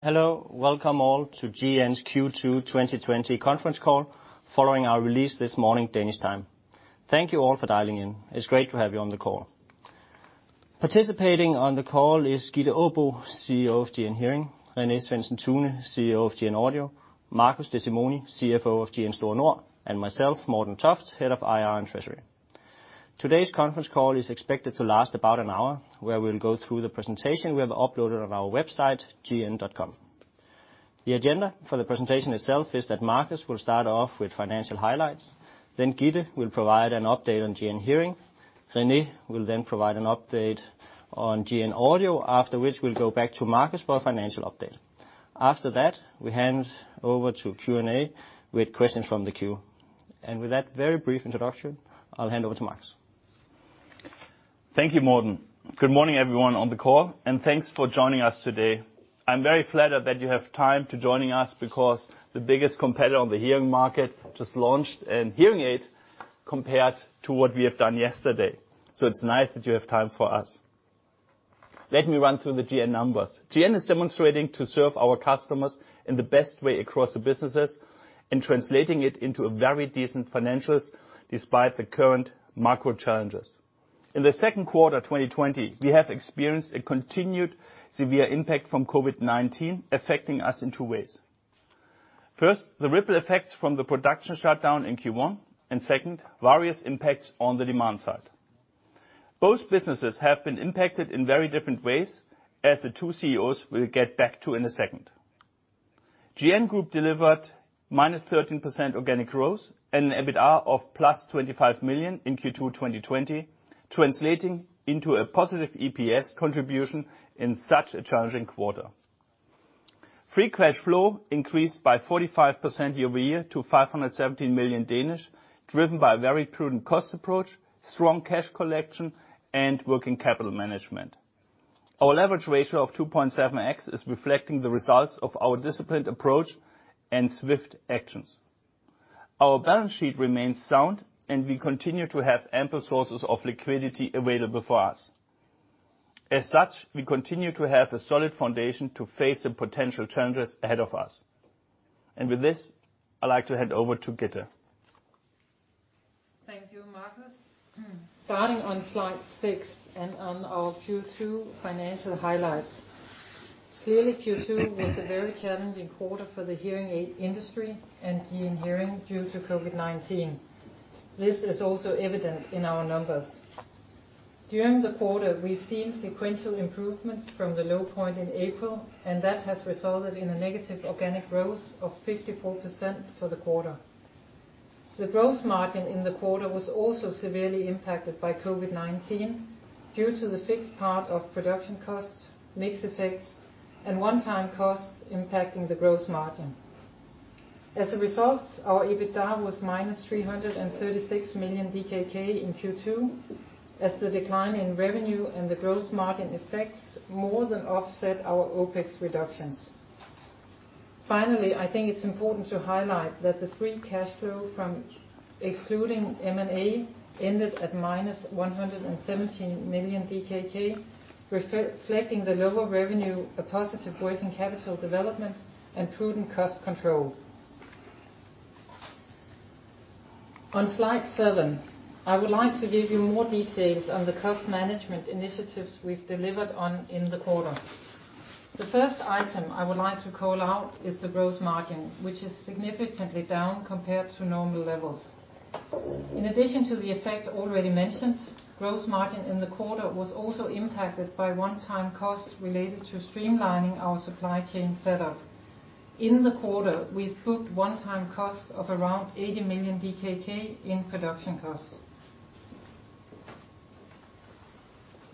Hello, welcome all to GN's Q2 2020 conference call following our release this morning, Danish time. Thank you all for dialing in. It's great to have you on the call. Participating on the call is Gitte Aabo, CEO of GN Hearing, René Svendsen-Tune, CEO of GN Audio, Marcus Desimoni, CFO of GN Store Nord, and myself, Morten Toft, Head of IR and Treasury. Today's conference call is expected to last about an hour, where we'll go through the presentation we have uploaded on our website, gn.com. The agenda for the presentation itself is that Marcus will start off with financial highlights, then Gitte will provide an update on GN Hearing, René will then provide an update on GN Audio, after which we'll go back to Marcus for a financial update. After that, we'll hand over to Q&A with questions from the queue. With that very brief introduction, I'll hand over to Marcus. Thank you, Morten. Good morning, everyone on the call, and thanks for joining us today. I'm very flattered that you have time to join us because the biggest competitor on the hearing market just launched a hearing aid compared to what we have done yesterday. So it's nice that you have time for us. Let me run through the GN numbers. GN is demonstrating to serve our customers in the best way across the businesses and translating it into very decent financials despite the current macro challenges. In the Q2 of 2020, we have experienced a continued severe impact from COVID-19 affecting us in two ways. First, the ripple effects from the production shutdown in Q1, and second, various impacts on the demand side. Both businesses have been impacted in very different ways, as the two CEOs will get back to in a second. GN Group delivered -13% organic growth and an EBITDA of +25 million in Q2 2020, translating into a positive EPS contribution in such a challenging quarter. Free cash flow increased by 45% year over year to 517 million, driven by a very prudent cost approach, strong cash collection, and working capital management. Our leverage ratio of 2.7x is reflecting the results of our disciplined approach and swift actions. Our balance sheet remains sound, and we continue to have ample sources of liquidity available for us. As such, we continue to have a solid foundation to face the potential challenges ahead of us, and with this, I'd like to hand over to Gitte. Thank you, Marcus. Starting on slide six and on our Q2 financial highlights, clearly, Q2 was a very challenging quarter for the hearing aid industry and GN Hearing due to COVID-19. This is also evident in our numbers. During the quarter, we've seen sequential improvements from the low point in April, and that has resulted in a negative organic growth of 54% for the quarter. The gross margin in the quarter was also severely impacted by COVID-19 due to the fixed part of production costs, mixed effects, and one-time costs impacting the gross margin. As a result, our EBITDA was -336 million DKK in Q2, as the decline in revenue and the gross margin effects more than offset our OPEX reductions. Finally, I think it's important to highlight that the free cash flow from excluding M&A ended at minus 117 million DKK, reflecting the lower revenue, a positive working capital development, and prudent cost control. On slide seven, I would like to give you more details on the cost management initiatives we've delivered on in the quarter. The first item I would like to call out is the gross margin, which is significantly down compared to normal levels. In addition to the effects already mentioned, gross margin in the quarter was also impacted by one-time costs related to streamlining our supply chain setup. In the quarter, we've booked one-time costs of around 80 million DKK in production costs.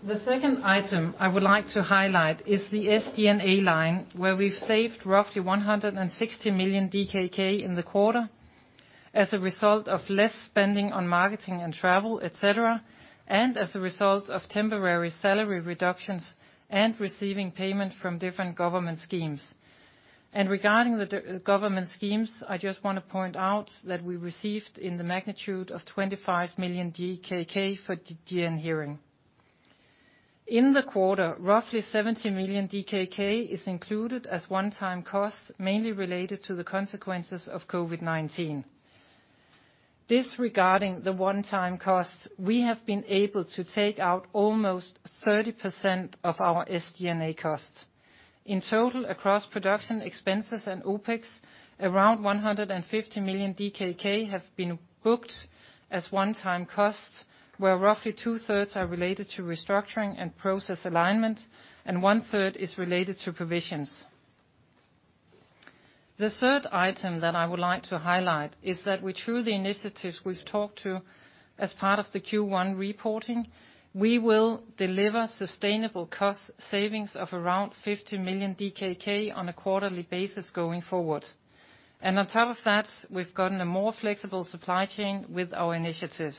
The second item I would like to highlight is the SG&A line, where we've saved roughly 160 million DKK in the quarter as a result of less spending on marketing and travel, etc., and as a result of temporary salary reductions and receiving payment from different government schemes, and regarding the government schemes, I just want to point out that we received in the magnitude of 25 million DKK for GN Hearing. In the quarter, roughly 70 million DKK is included as one-time costs, mainly related to the consequences of COVID-19. Disregarding the one-time costs, we have been able to take out almost 30% of our SG&A costs. In total, across production expenses and OPEX, around 150 million DKK have been booked as one-time costs, where roughly two-thirds are related to restructuring and process alignment, and one-third is related to provisions. The third item that I would like to highlight is that through the initiatives we've talked to as part of the Q1 reporting, we will deliver sustainable cost savings of around 50 million DKK on a quarterly basis going forward. And on top of that, we've gotten a more flexible supply chain with our initiatives.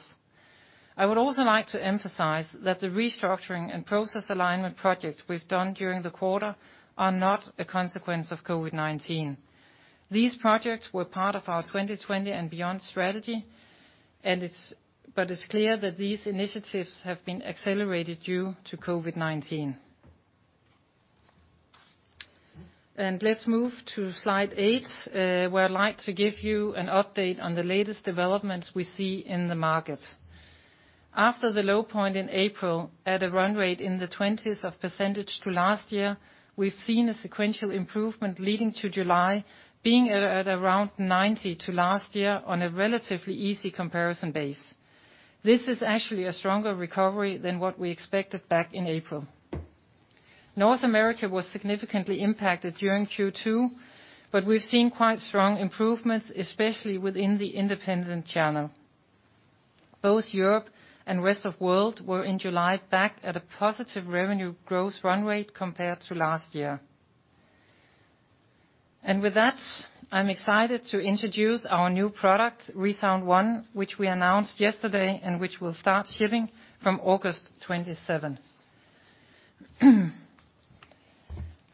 I would also like to emphasize that the restructuring and process alignment projects we've done during the quarter are not a consequence of COVID-19. These projects were part of our 2020 and beyond strategy, but it's clear that these initiatives have been accelerated due to COVID-19. And let's move to slide eight, where I'd like to give you an update on the latest developments we see in the market. After the low point in April, at a run rate in the 20% to last year, we've seen a sequential improvement leading to July being at around 90% to last year on a relatively easy comparison base. This is actually a stronger recovery than what we expected back in April. North America was significantly impacted during Q2, but we've seen quite strong improvements, especially within the independent channel. Both Europe and rest of the world were in July back at a positive revenue growth run rate compared to last year. And with that, I'm excited to introduce our new product, ReSound ONE, which we announced yesterday and which will start shipping from August 27.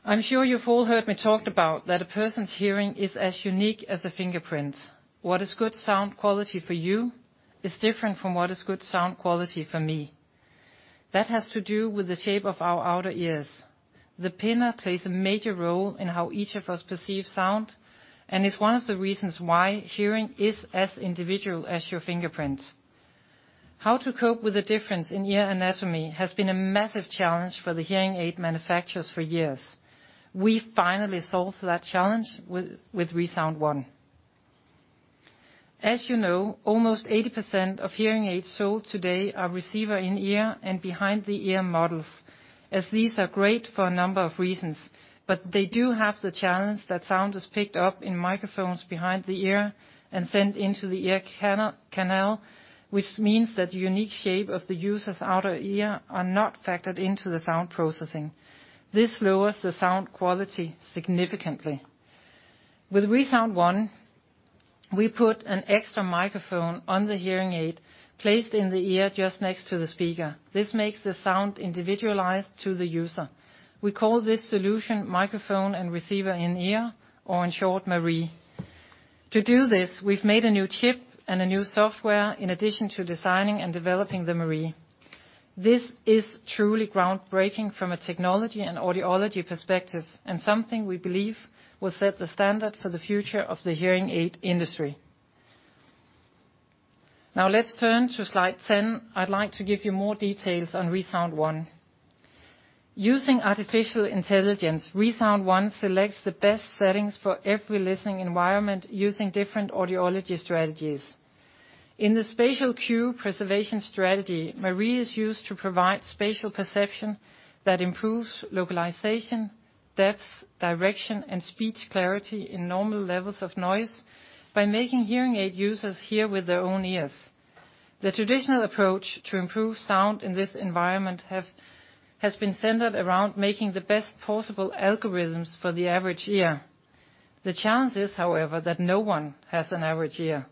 I'm sure you've all heard me talk about that a person's hearing is as unique as a fingerprint. What is good sound quality for you is different from what is good sound quality for me. That has to do with the shape of our outer ears. The pinna plays a major role in how each of us perceives sound and is one of the reasons why hearing is as individual as your fingerprint. How to cope with the difference in ear anatomy has been a massive challenge for the hearing aid manufacturers for years. We finally solved that challenge with ReSound ONE. As you know, almost 80% of hearing aids sold today are receiver-in-ear and behind-the-ear models, as these are great for a number of reasons, but they do have the challenge that sound is picked up in microphones behind the ear and sent into the ear canal, which means that the unique shape of the user's outer ear is not factored into the sound processing. This lowers the sound quality significantly. With ReSound ONE, we put an extra microphone on the hearing aid, placed in the ear just next to the speaker. This makes the sound individualized to the user. We call this solution microphone and receiver-in-ear, or in short, MARIE. To do this, we've made a new chip and a new software in addition to designing and developing the MARIE. This is truly groundbreaking from a technology and audiology perspective and something we believe will set the standard for the future of the hearing aid industry. Now, let's turn to slide 10. I'd like to give you more details on ReSound ONE. Using artificial intelligence, ReSound ONE selects the best settings for every listening environment using different audiology strategies. In the spatial cue preservation strategy, MARIE is used to provide spatial perception that improves localization, depth, direction, and speech clarity in normal levels of noise by making hearing aid users hear with their own ears. The traditional approach to improve sound in this environment has been centered around making the best possible algorithms for the average ear. The challenge is, however, that no one has an average ear.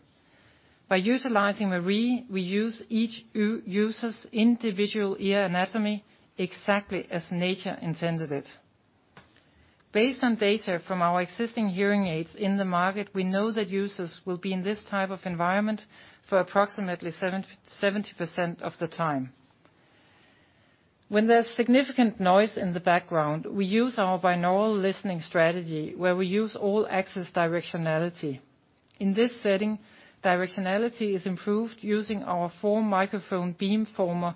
By utilizing MARIE, we use each user's individual ear anatomy exactly as nature intended it. Based on data from our existing hearing aids in the market, we know that users will be in this type of environment for approximately 70% of the time. When there's significant noise in the background, we use our binaural listening strategy, where we use All-Access directionality. In this setting, directionality is improved using our four-microphone beamformer,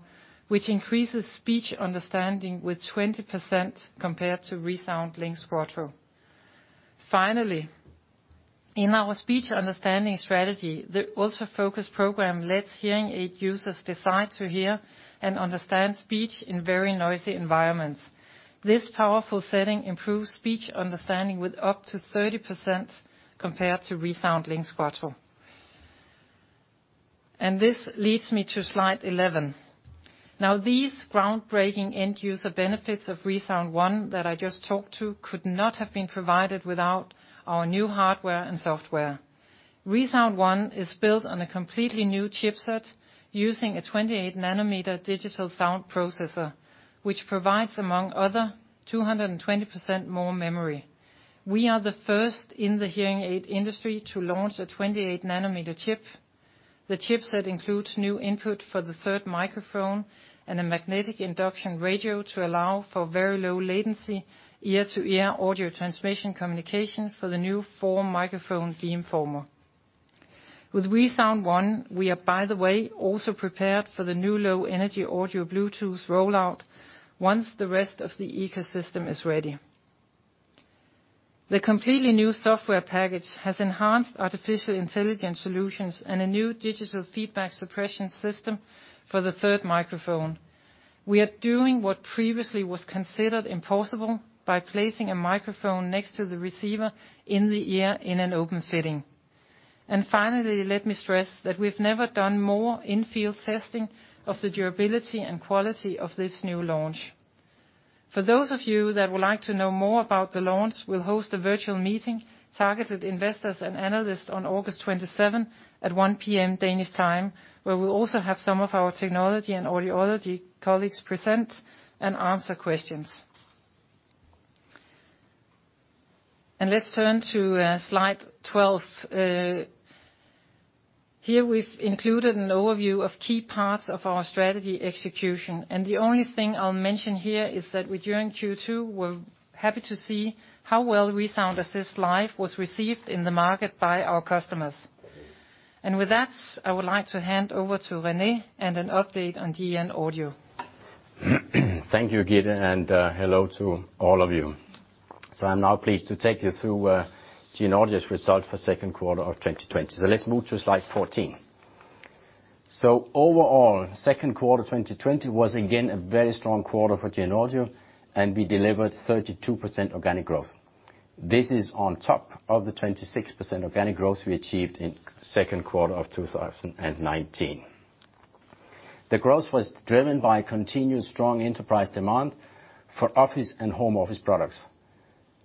which increases speech understanding with 20% compared to ReSound LiNX Quattro. Finally, in our speech understanding strategy, the Ultra Focus program lets hearing aid users decide to hear and understand speech in very noisy environments. This powerful setting improves speech understanding with up to 30% compared to ReSound LiNX Quattro. And this leads me to Slide 11. Now, these groundbreaking end-user benefits of ReSound ONE that I just talked to could not have been provided without our new hardware and software. ReSound ONE is built on a completely new chipset using a 28-nanometer digital sound processor, which provides, among others, 220% more memory. We are the first in the hearing aid industry to launch a 28-nanometer chip. The chipset includes new input for the third microphone and a magnetic induction radio to allow for very low-latency ear-to-ear audio transmission communication for the new four-microphone beamformer. With ReSound ONE, we are, by the way, also prepared for the new low-energy audio Bluetooth rollout once the rest of the ecosystem is ready. The completely new software package has enhanced artificial intelligence solutions and a new Digital Feedback Suppression system for the third microphone. We are doing what previously was considered impossible by placing a microphone next to the receiver in the ear in an open fitting. And finally, let me stress that we've never done more in-field testing of the durability and quality of this new launch. For those of you that would like to know more about the launch, we'll host a virtual meeting targeted at investors and analysts on August 27 at 1:00 P.M. Danish time, where we'll also have some of our technology and audiology colleagues present and answer questions. Let's turn to slide 12. Here, we've included an overview of key parts of our strategy execution. The only thing I'll mention here is that during Q2, we're happy to see how well ReSound Assist Live was received in the market by our customers. With that, I would like to hand over to René and an update on GN Audio. Thank you, Gitte, and hello to all of you. So I'm now pleased to take you through GN Audio's result for the Q2 of 2020. So let's move to slide 14. So overall, the Q2 of 2020 was, again, a very strong quarter for GN Audio, and we delivered 32% organic growth. This is on top of the 26% organic growth we achieved in the Q2 of 2019. The growth was driven by continued strong enterprise demand for office and home office products.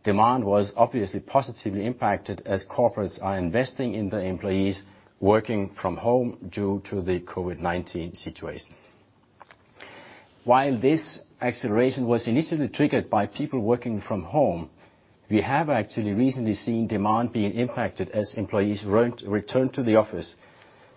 Demand was obviously positively impacted as corporates are investing in their employees working from home due to the COVID-19 situation. While this acceleration was initially triggered by people working from home, we have actually recently seen demand being impacted as employees returned to the office.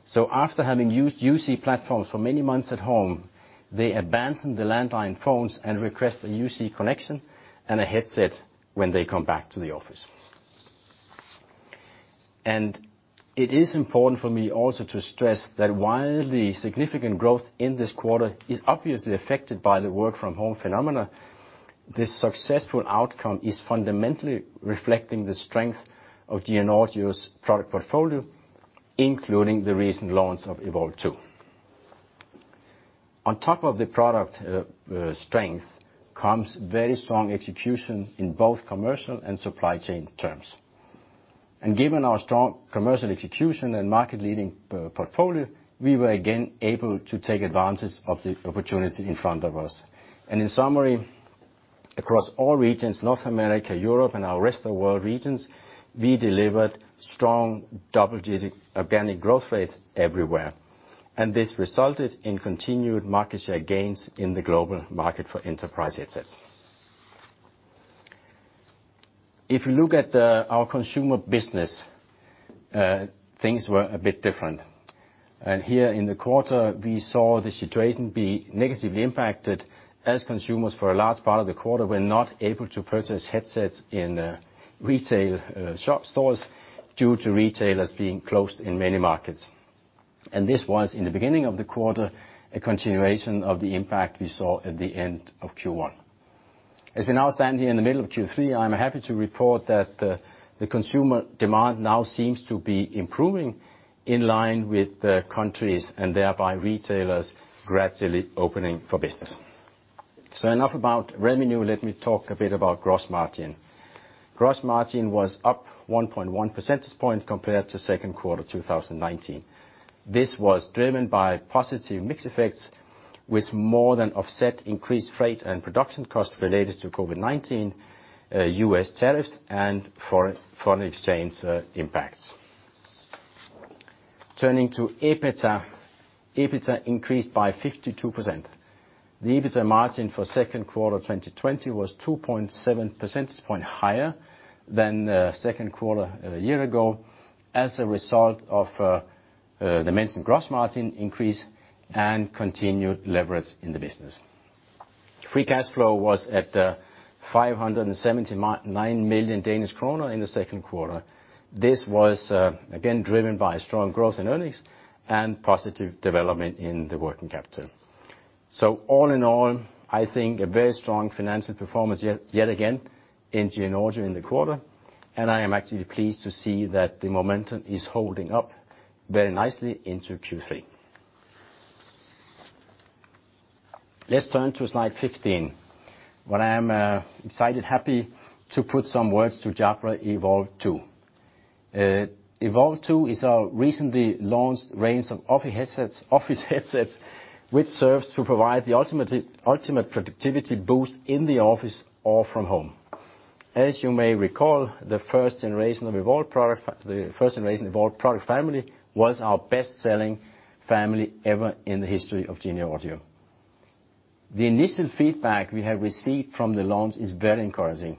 So, after having used UC platforms for many months at home, they abandoned the landline phones and request a UC connection and a headset when they come back to the office. And it is important for me also to stress that while the significant growth in this quarter is obviously affected by the work-from-home phenomena, this successful outcome is fundamentally reflecting the strength of GN Audio's product portfolio, including the recent launch of Evolve2. On top of the product strength comes very strong execution in both commercial and supply chain terms. And given our strong commercial execution and market-leading portfolio, we were again able to take advantage of the opportunity in front of us. And in summary, across all regions, North America, Europe, and our rest of the world regions, we delivered strong double-digit organic growth rates everywhere. This resulted in continued market share gains in the global market for enterprise headsets. If you look at our consumer business, things were a bit different. And here in the quarter, we saw the situation be negatively impacted as consumers for a large part of the quarter were not able to purchase headsets in retail shop stores due to retailers being closed in many markets. And this was, in the beginning of the quarter, a continuation of the impact we saw at the end of Q1. As we now stand here in the middle of Q3, I'm happy to report that the consumer demand now seems to be improving in line with countries and thereby retailers gradually opening for business. So enough about revenue. Let me talk a bit about gross margin. Gross margin was up 1.1 percentage points compared to Q2 2019. This was driven by positive mixed effects with more than offset increased freight and production costs related to COVID-19, US tariffs, and foreign exchange impacts. Turning to EBITDA, EBITDA increased by 52%. The EBITDA margin for Q2 2020 was 2.7% points higher than Q2 a year ago as a result of the mentioned gross margin increase and continued leverage in the business. Free cash flow was at 579 million Danish kroner in the Q2. This was, again, driven by strong growth in earnings and positive development in the working capital. So all in all, I think a very strong financial performance yet again in GN Audio in the quarter. And I am actually pleased to see that the momentum is holding up very nicely into Q3. Let's turn to slide 15, where I'm excited, happy to put some words to Jabra Evolve2. Evolve2 is our recently launched range of office headsets, which serves to provide the ultimate productivity boost in the office or from home. As you may recall, the first generation of Evolve product, the first generation Evolve product family, was our best-selling family ever in the history of GN Audio. The initial feedback we have received from the launch is very encouraging.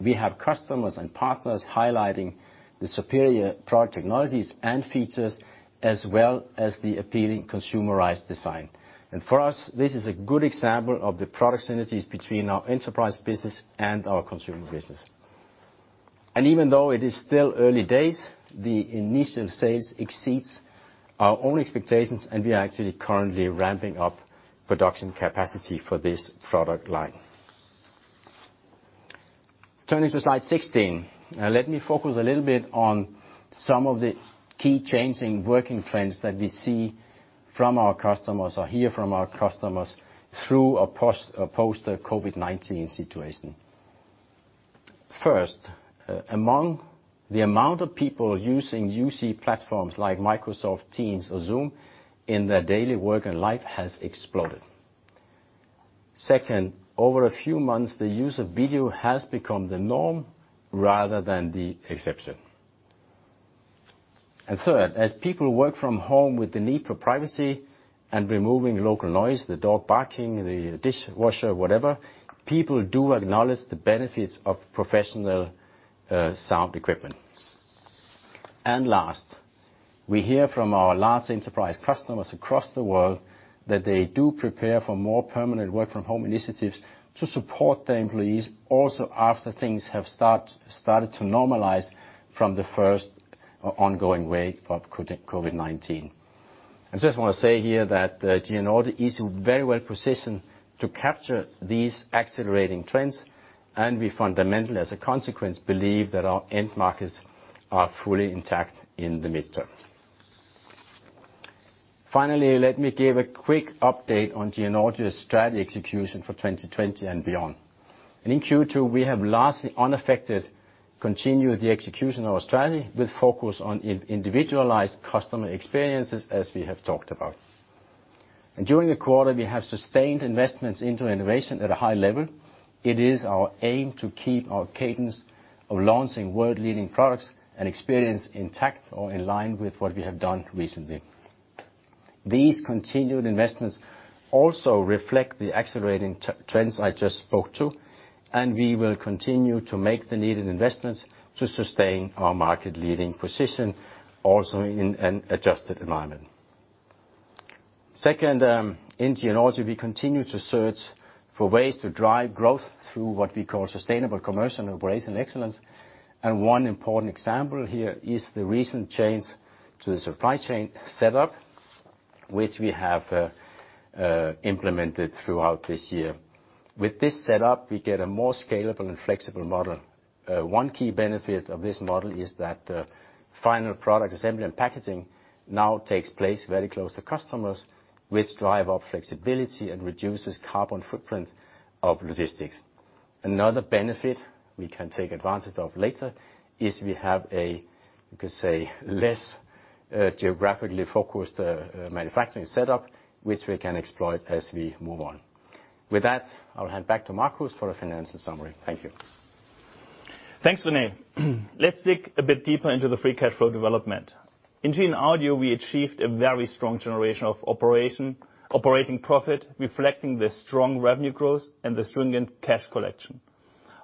We have customers and partners highlighting the superior product technologies and features, as well as the appealing consumerized design, and for us, this is a good example of the product synergies between our enterprise business and our consumer business. Even though it is still early days, the initial sales exceeds our own expectations, and we are actually currently ramping up production capacity for this product line. Turning to slide 16, let me focus a little bit on some of the key changing working trends that we see from our customers or hear from our customers through or post the COVID-19 situation. First, among the amount of people using UC platforms like Microsoft Teams or Zoom in their daily work and life has exploded. Second, over a few months, the use of video has become the norm rather than the exception. And third, as people work from home with the need for privacy and removing local noise, the dog barking, the dishwasher, whatever, people do acknowledge the benefits of professional sound equipment. And last, we hear from our large enterprise customers across the world that they do prepare for more permanent work-from-home initiatives to support their employees also after things have started to normalize from the first ongoing wave of COVID-19. And so I just want to say here that GN Audio is very well positioned to capture these accelerating trends, and we fundamentally, as a consequence, believe that our end markets are fully intact in the midterm. Finally, let me give a quick update on GN Audio's strategy execution for 2020 and beyond. And in Q2, we have largely unaffected continued the execution of our strategy with focus on individualized customer experiences, as we have talked about. And during the quarter, we have sustained investments into innovation at a high level. It is our aim to keep our cadence of launching world-leading products and experience intact or in line with what we have done recently. These continued investments also reflect the accelerating trends I just spoke to, and we will continue to make the needed investments to sustain our market-leading position also in an adjusted environment. Second, in GN Audio, we continue to search for ways to drive growth through what we call sustainable commercial and operational excellence. One important example here is the recent change to the supply chain setup, which we have implemented throughout this year. With this setup, we get a more scalable and flexible model. One key benefit of this model is that final product assembly and packaging now takes place very close to customers, which drives up flexibility and reduces carbon footprint of logistics. Another benefit we can take advantage of later is we have a, you could say, less geographically focused manufacturing setup, which we can exploit as we move on. With that, I'll hand back to Marcus for the financial summary. Thank you. Thanks, René. Let's dig a bit deeper into the free cash flow development. In GN Audio, we achieved a very strong generation of operating profit, reflecting the strong revenue growth and the stringent cash collection.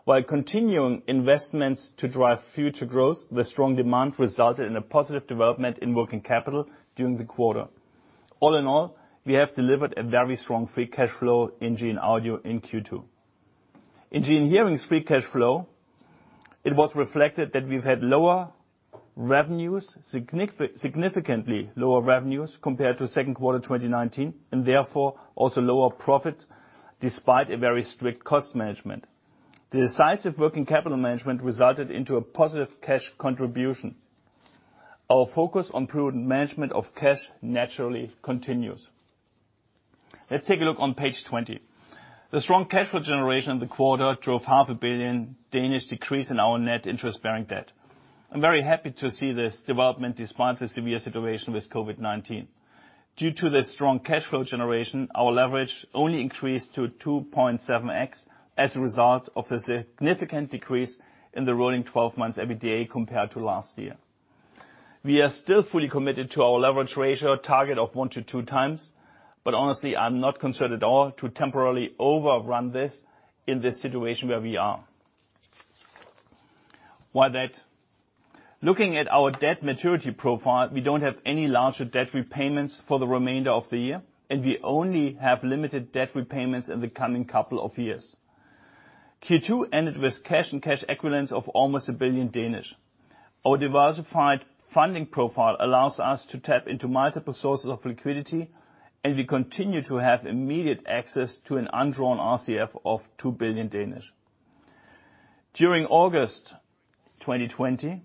While continuing investments to drive future growth, the strong demand resulted in a positive development in working capital during the quarter. All in all, we have delivered a very strong free cash flow in GN Audio in Q2. In GN Hearing's free cash flow, it was reflected that we've had lower revenues, significantly lower revenues compared to Q2 2019, and therefore also lower profit despite a very strict cost management. The decisive working capital management resulted into a positive cash contribution. Our focus on prudent management of cash naturally continues. Let's take a look on page 20. The strong cash flow generation in the quarter drove a 500 million decrease in our net interest-bearing debt. I'm very happy to see this development despite the severe situation with COVID-19. Due to the strong cash flow generation, our leverage only increased to 2.7x as a result of the significant decrease in the rolling 12-month EBITDA compared to last year. We are still fully committed to our leverage ratio target of one to two times, but honestly, I'm not concerned at all to temporarily overrun this in the situation where we are. Why that? Looking at our debt maturity profile, we don't have any larger debt repayments for the remainder of the year, and we only have limited debt repayments in the coming couple of years. Q2 ended with cash and cash equivalents of almost 1 billion. Our diversified funding profile allows us to tap into multiple sources of liquidity, and we continue to have immediate access to an undrawn RCF of 2 billion. During August 2020,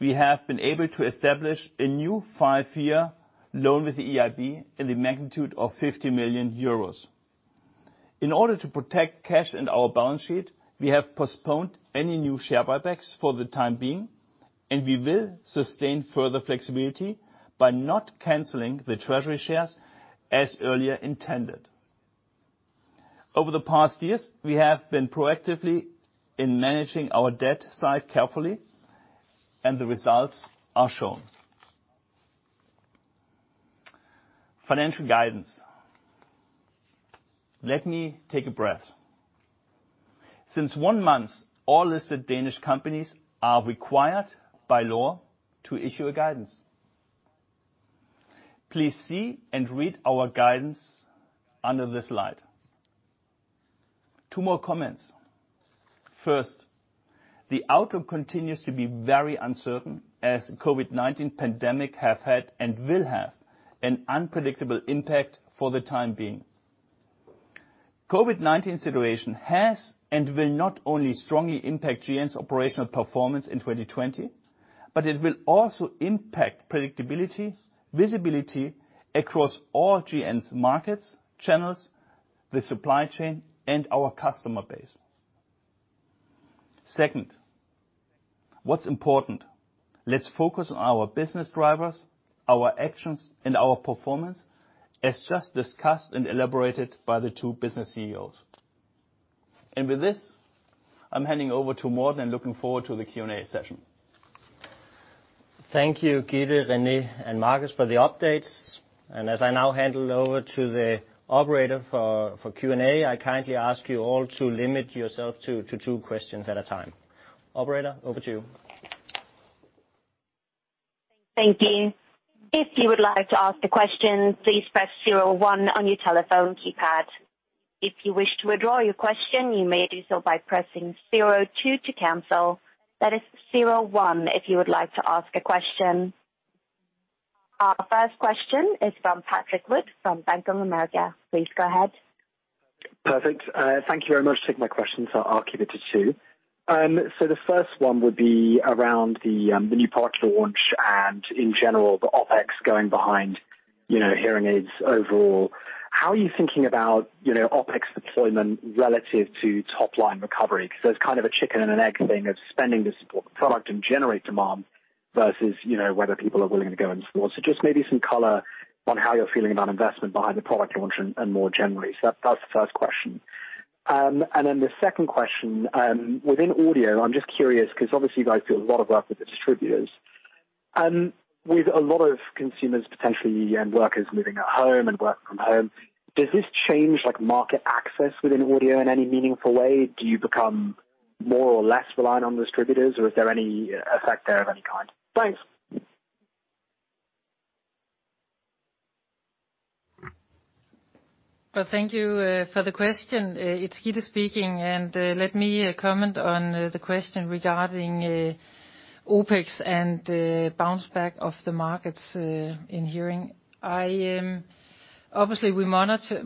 we have been able to establish a new five-year loan with the EIB in the magnitude of 50 million euros. In order to protect cash and our balance sheet, we have postponed any new share buybacks for the time being, and we will sustain further flexibility by not canceling the treasury shares as earlier intended. Over the past years, we have been proactively managing our debt side carefully, and the results are shown. Financial guidance. Let me take a breath. Since one month, all listed Danish companies are required by law to issue a guidance. Please see and read our guidance under this slide. Two more comments. First, the outlook continues to be very uncertain as the COVID-19 pandemic has had and will have an unpredictable impact for the time being. The COVID-19 situation has and will not only strongly impact GN's operational performance in 2020, but it will also impact predictability, visibility across all GN's markets, channels, the supply chain, and our customer base. Second, what's important? Let's focus on our business drivers, our actions, and our performance as just discussed and elaborated by the two business CEOs. And with this, I'm handing over to Morten and looking forward to the Q&A session. Thank you, Gitte, René, and Marcus for the updates. And as I now hand it over to the operator for Q&A, I kindly ask you all to limit yourselves to two questions at a time. Operator, over to you. Thank you. If you would like to ask a question, please press 01 on your telephone keypad. If you wish to withdraw your question, you may do so by pressing 02 to cancel. That is 01 if you would like to ask a question. Our first question is from Patrick Wood from Bank of America. Please go ahead. Perfect. Thank you very much for taking my question. So I'll keep it to two. So the first one would be around the new product launch and, in general, the OPEX going behind hearing aids overall. How are you thinking about OPEX deployment relative to top-line recovery? Because there's kind of a chicken and an egg thing of spending to support the product and generate demand versus whether people are willing to go in stores. So just maybe some color on how you're feeling about investment behind the product launch and more generally. So that's the first question. And then the second question, within audio, I'm just curious because obviously you guys do a lot of work with the distributors. With a lot of consumers potentially and workers moving at home and working from home, does this change market access within audio in any meaningful way? Do you become more or less reliant on the distributors, or is there any effect there of any kind? Thanks. Thank you for the question. It's Gitte speaking, and let me comment on the question regarding OPEX and bounce back of the markets in hearing. Obviously, we monitor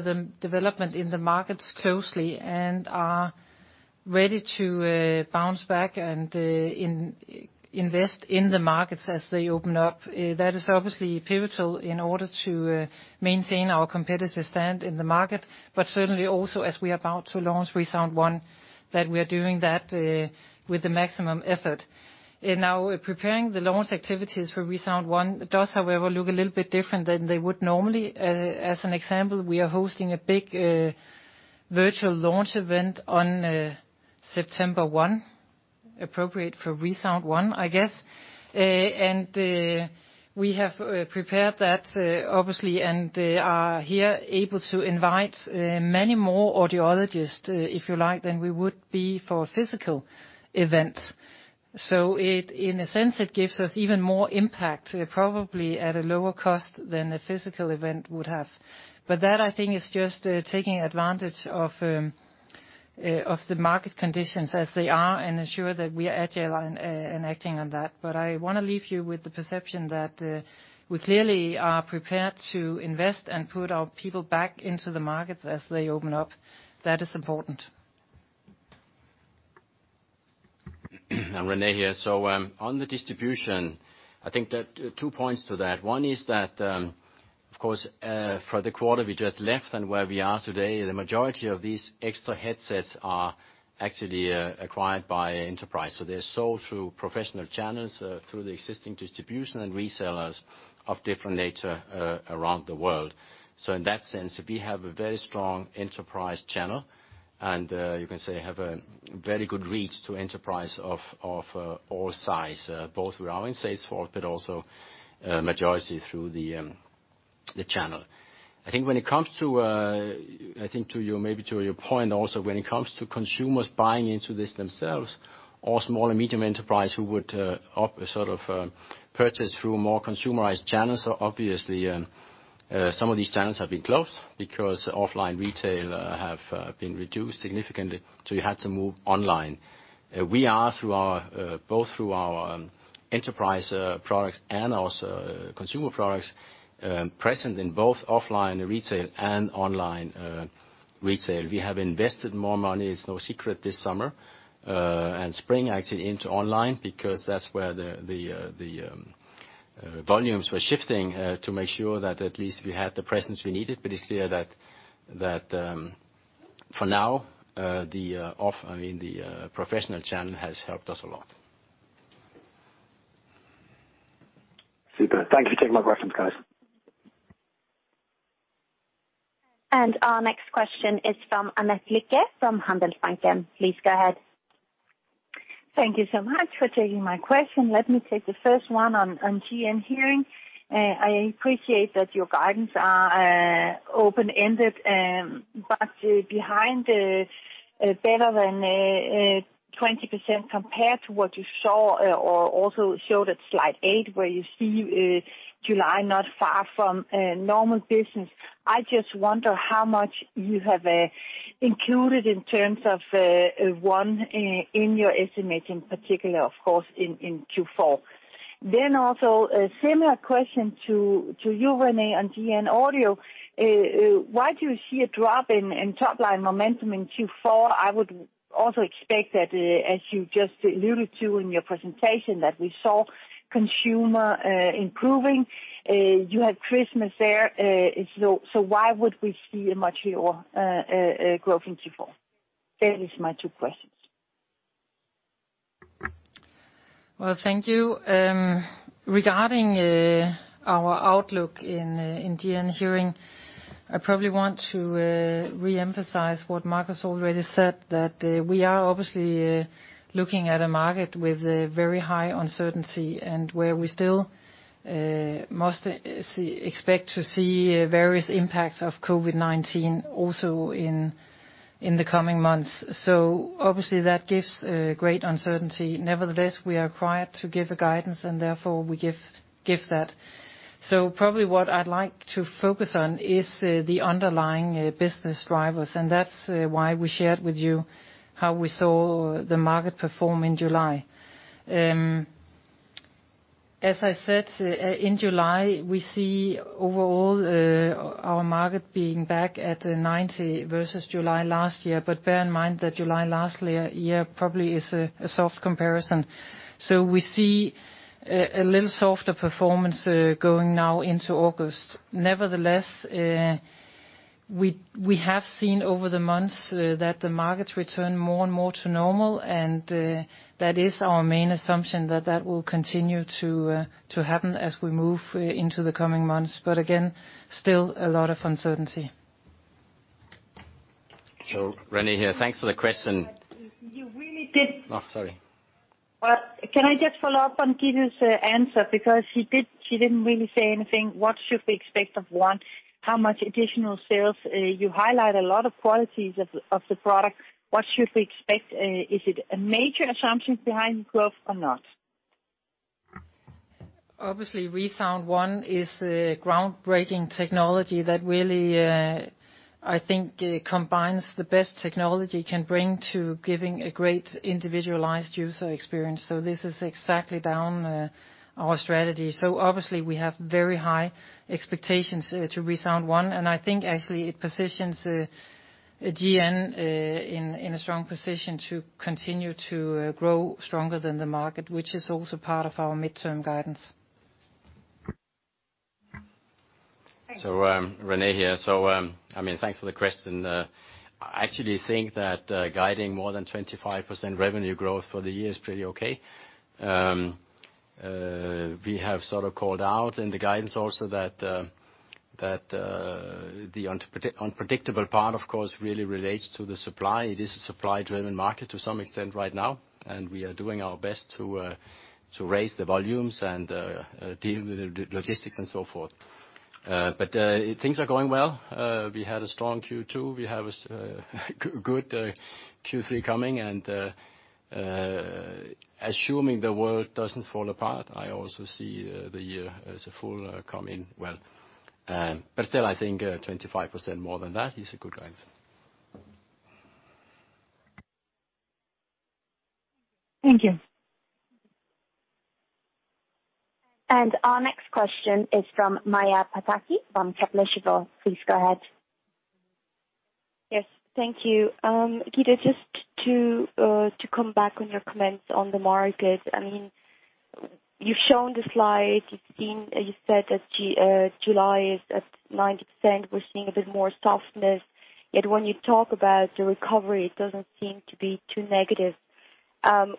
the development in the markets closely and are ready to bounce back and invest in the markets as they open up. That is obviously pivotal in order to maintain our competitive stand in the market, but certainly also as we are about to launch ReSound ONE, that we are doing that with the maximum effort. Now, preparing the launch activities for ReSound ONE does, however, look a little bit different than they would normally. As an example, we are hosting a big virtual launch event on September 1, appropriate for ReSound ONE, I guess. We have prepared that, obviously, and are here able to invite many more audiologists, if you like, than we would be for a physical event. So in a sense, it gives us even more impact, probably at a lower cost than a physical event would have. But that, I think, is just taking advantage of the market conditions as they are and ensure that we are agile and acting on that. But I want to leave you with the perception that we clearly are prepared to invest and put our people back into the markets as they open up. That is important. I'm René here. So on the distribution, I think there are two points to that. One is that, of course, for the quarter we just left and where we are today, the majority of these extra headsets are actually acquired by enterprise. So they're sold through professional channels through the existing distribution and resellers and distributors around the world. So in that sense, we have a very strong enterprise channel, and you can say we have a very good reach to enterprise of all sizes, both with our inside sales force, but also majority through the channel. I think when it comes to, I think to you, maybe to your point also, when it comes to consumers buying into this themselves or small and medium enterprise who would sort of purchase through more consumerized channels, obviously some of these channels have been closed because offline retail have been reduced significantly. So you had to move online. We are, both through our enterprise products and also consumer products, present in both offline retail and online retail. We have invested more money. It's no secret this summer and spring actually into online because that's where the volumes were shifting to make sure that at least we had the presence we needed. But it's clear that for now, the professional channel has helped us a lot. Super. Thank you for taking my questions, guys. Our next question is from Annette Lykke from Handelsbanken. Please go ahead. Thank you so much for taking my question. Let me take the first one on GN Hearing. I appreciate that your guidance are open-ended, but behind better than 20% compared to what you saw or also showed at slide eight, where you see July not far from normal business. I just wonder how much you have included in terms of one in your estimating, particularly, of course, in Q4. Then also a similar question to you, René, on GN Audio. Why do you see a drop in top-line momentum in Q4? I would also expect that, as you just alluded to in your presentation, that we saw consumer improving. You had Christmas there. So why would we see a much higher growth in Q4? That is my two questions. Thank you. Regarding our outlook in GN Hearing, I probably want to re-emphasize what Marcus already said, that we are obviously looking at a market with very high uncertainty and where we still must expect to see various impacts of COVID-19 also in the coming months. Obviously, that gives great uncertainty. Nevertheless, we are required to give guidance, and therefore we give that. Probably what I'd like to focus on is the underlying business drivers, and that's why we shared with you how we saw the market perform in July. As I said, in July, we see overall our market being back at 90% versus July last year, but bear in mind that July last year probably is a soft comparison. We see a little softer performance going now into August. Nevertheless, we have seen over the months that the markets return more and more to normal, and that is our main assumption that that will continue to happen as we move into the coming months, but again, still a lot of uncertainty. René here, thanks for the question. You really did. Oh, sorry. Can I just follow up on Gitte's answer? Because she didn't really say anything. What should we expect of one? How much additional sales? You highlight a lot of qualities of the product. What should we expect? Is it a major assumption behind growth or not? Obviously, ReSound ONE is a groundbreaking technology that really, I think, combines the best technology it can bring to giving a great individualized user experience. So this is exactly down our strategy. So obviously, we have very high expectations to ReSound ONE, and I think actually it positions GN in a strong position to continue to grow stronger than the market, which is also part of our midterm guidance. René here. I mean, thanks for the question. I actually think that guiding more than 25% revenue growth for the year is pretty okay. We have sort of called out in the guidance also that the unpredictable part, of course, really relates to the supply. It is a supply-driven market to some extent right now, and we are doing our best to raise the volumes and deal with the logistics and so forth. But things are going well. We had a strong Q2. We have a good Q3 coming, and assuming the world doesn't fall apart, I also see the year as a whole coming well. But still, I think 25% more than that is a good guidance. Thank you. Our next question is from Maja Pataki from Kepler Cheuvreux. Please go ahead. Yes. Thank you. Gitte, just to come back on your comments on the market, I mean, you've shown the slide. You said that July is at 90%. We're seeing a bit more softness. Yet when you talk about the recovery, it doesn't seem to be too negative,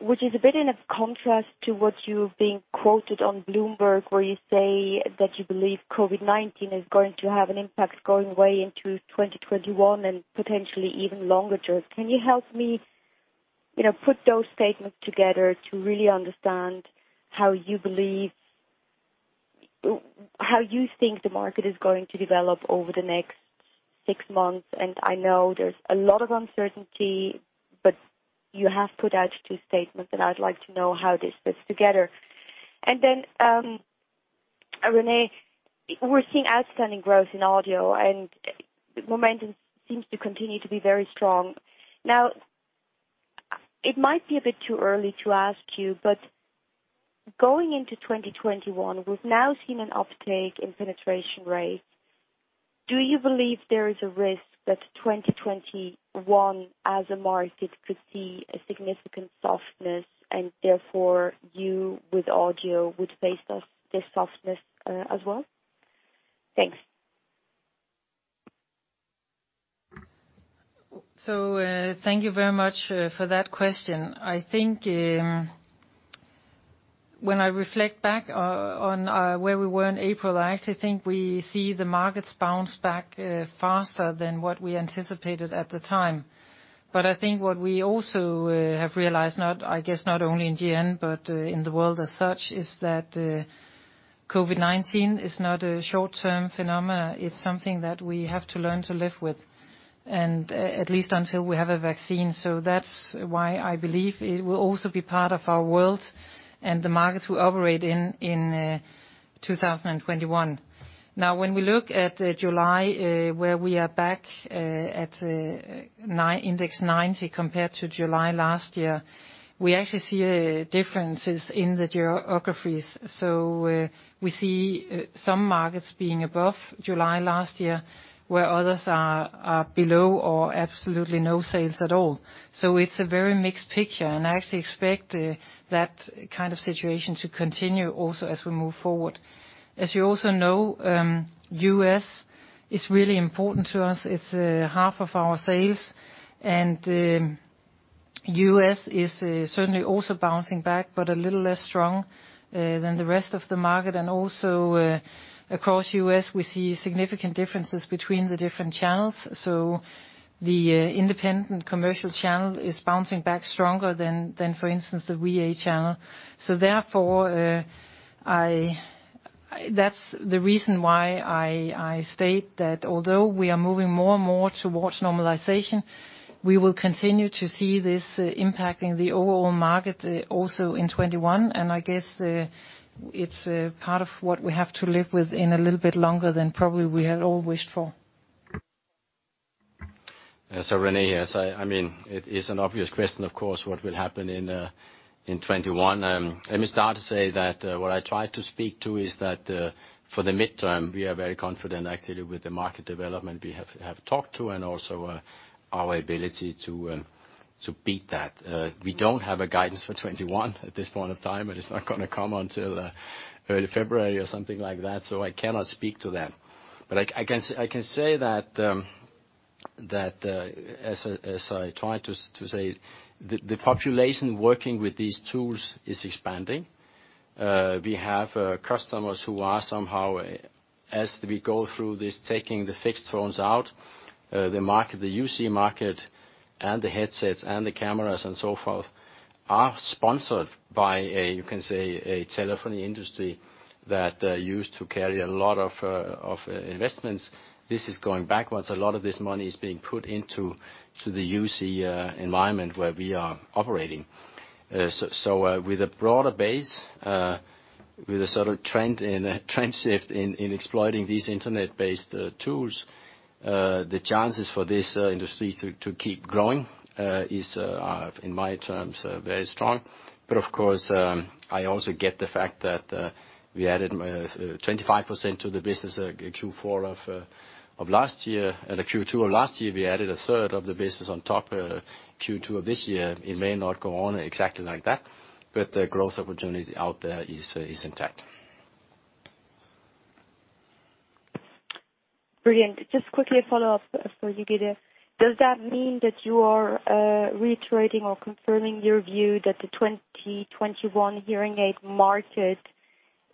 which is a bit in contrast to what you've been quoted on Bloomberg, where you say that you believe COVID-19 is going to have an impact going way into 2021 and potentially even longer. Can you help me put those statements together to really understand how you believe how you think the market is going to develop over the next six months? And I know there's a lot of uncertainty, but you have put out two statements, and I'd like to know how this fits together. And then, René, we're seeing outstanding growth in audio, and momentum seems to continue to be very strong. Now, it might be a bit too early to ask you, but going into 2021, we've now seen an uptake in penetration rate. Do you believe there is a risk that 2021 as a market could see a significant softness, and therefore you with audio would face this softness as well? Thanks. So thank you very much for that question. I think when I reflect back on where we were in April, I actually think we see the markets bounce back faster than what we anticipated at the time. But I think what we also have realized, I guess not only in GN, but in the world as such, is that COVID-19 is not a short-term phenomenon. It's something that we have to learn to live with, at least until we have a vaccine. So that's why I believe it will also be part of our world and the markets we operate in in 2021. Now, when we look at July, where we are back at index 90 compared to July last year, we actually see differences in the geographies. So we see some markets being above July last year, where others are below or absolutely no sales at all. So it's a very mixed picture, and I actually expect that kind of situation to continue also as we move forward. As you also know, U.S. is really important to us. It's half of our sales, and U.S. is certainly also bouncing back, but a little less strong than the rest of the market. And also across U.S., we see significant differences between the different channels. So the independent commercial channel is bouncing back stronger than, for instance, the VA channel. So therefore, that's the reason why I state that although we are moving more and more towards normalization, we will continue to see this impacting the overall market also in 2021. And I guess it's part of what we have to live with in a little bit longer than probably we had all wished for. So, René here. So I mean, it is an obvious question, of course, what will happen in 2021. Let me start to say that what I tried to speak to is that for the midterm, we are very confident actually with the market development we have talked to and also our ability to beat that. We don't have a guidance for 2021 at this point of time, and it's not going to come until early February or something like that. So I cannot speak to that. But I can say that, as I tried to say, the population working with these tools is expanding. We have customers who are somehow, as we go through this, taking the fixed phones out. The market, the UC market, and the headsets and the cameras and so forth are sponsored by, you can say, a telephony industry that used to carry a lot of investments. This is going backwards. A lot of this money is being put into the UC environment where we are operating. So with a broader base, with a sort of trend shift in exploiting these internet-based tools, the chances for this industry to keep growing is, in my terms, very strong. But of course, I also get the fact that we added 25% to the business Q4 of last year. At Q2 of last year, we added a third of the business on top of Q2 of this year. It may not go on exactly like that, but the growth opportunity out there is intact. Brilliant. Just quickly a follow-up for you, Gitte. Does that mean that you are reiterating or confirming your view that the 2021 hearing aid market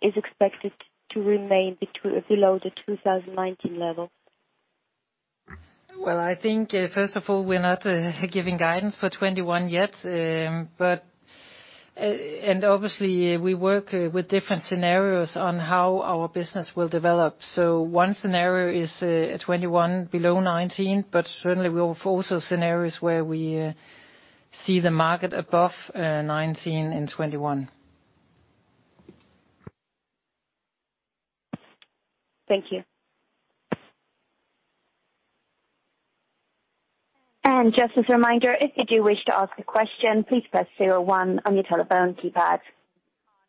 is expected to remain below the 2019 level? I think, first of all, we're not giving guidance for 2021 yet. Obviously, we work with different scenarios on how our business will develop. One scenario is 2021 below 2019, but certainly we have also scenarios where we see the market above 2019 and 2021. Thank you. And just as a reminder, if you do wish to ask a question, please press 01 on your telephone keypad.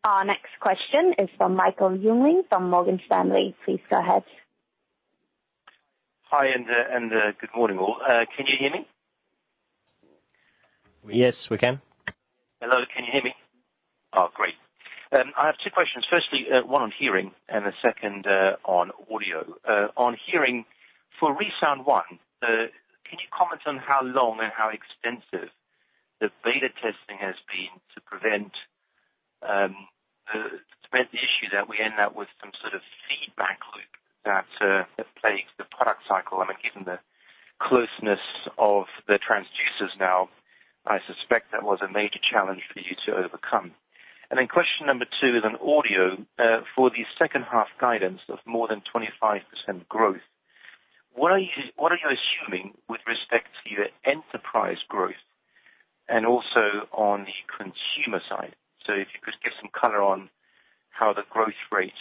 Our next question is from Michael Jungling from Morgan Stanley. Please go ahead. Hi, and good morning, all. Can you hear me? Yes, we can. Hello. Can you hear me? Oh, great. I have two questions. Firstly, one on hearing and the second on audio. On hearing, for ReSound ONE, can you comment on how long and how extensive the beta testing has been to prevent the issue that we end up with some sort of feedback loop that plagues the product cycle? I mean, given the closeness of the transducers now, I suspect that was a major challenge for you to overcome. And then question number two is on audio. For the second-half guidance of more than 25% growth, what are you assuming with respect to your enterprise growth and also on the consumer side? So if you could give some color on how the growth rate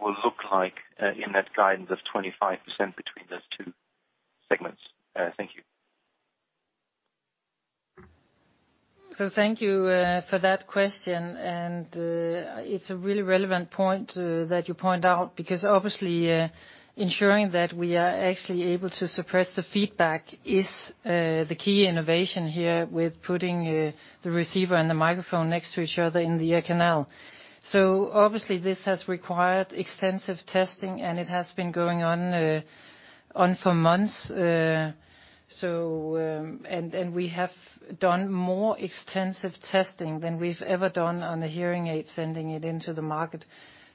will look like in that guidance of 25% between those two segments. Thank you. Thank you for that question, and it's a really relevant point that you point out because obviously, ensuring that we are actually able to suppress the feedback is the key innovation here with putting the receiver and the microphone next to each other in the ear canal, so obviously, this has required extensive testing, and it has been going on for months, and we have done more extensive testing than we've ever done on the hearing aids, sending it into the market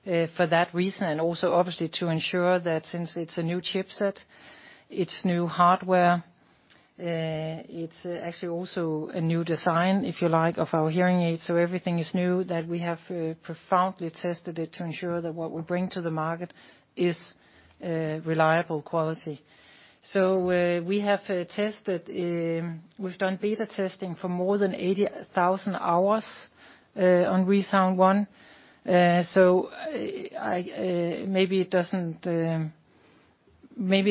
for that reason, and also obviously to ensure that since it's a new chipset, it's new hardware, it's actually also a new design, if you like, of our hearing aids, so everything is new that we have profoundly tested it to ensure that what we bring to the market is reliable quality, so we have tested. We've done beta testing for more than 80,000 hours on ReSound ONE. So maybe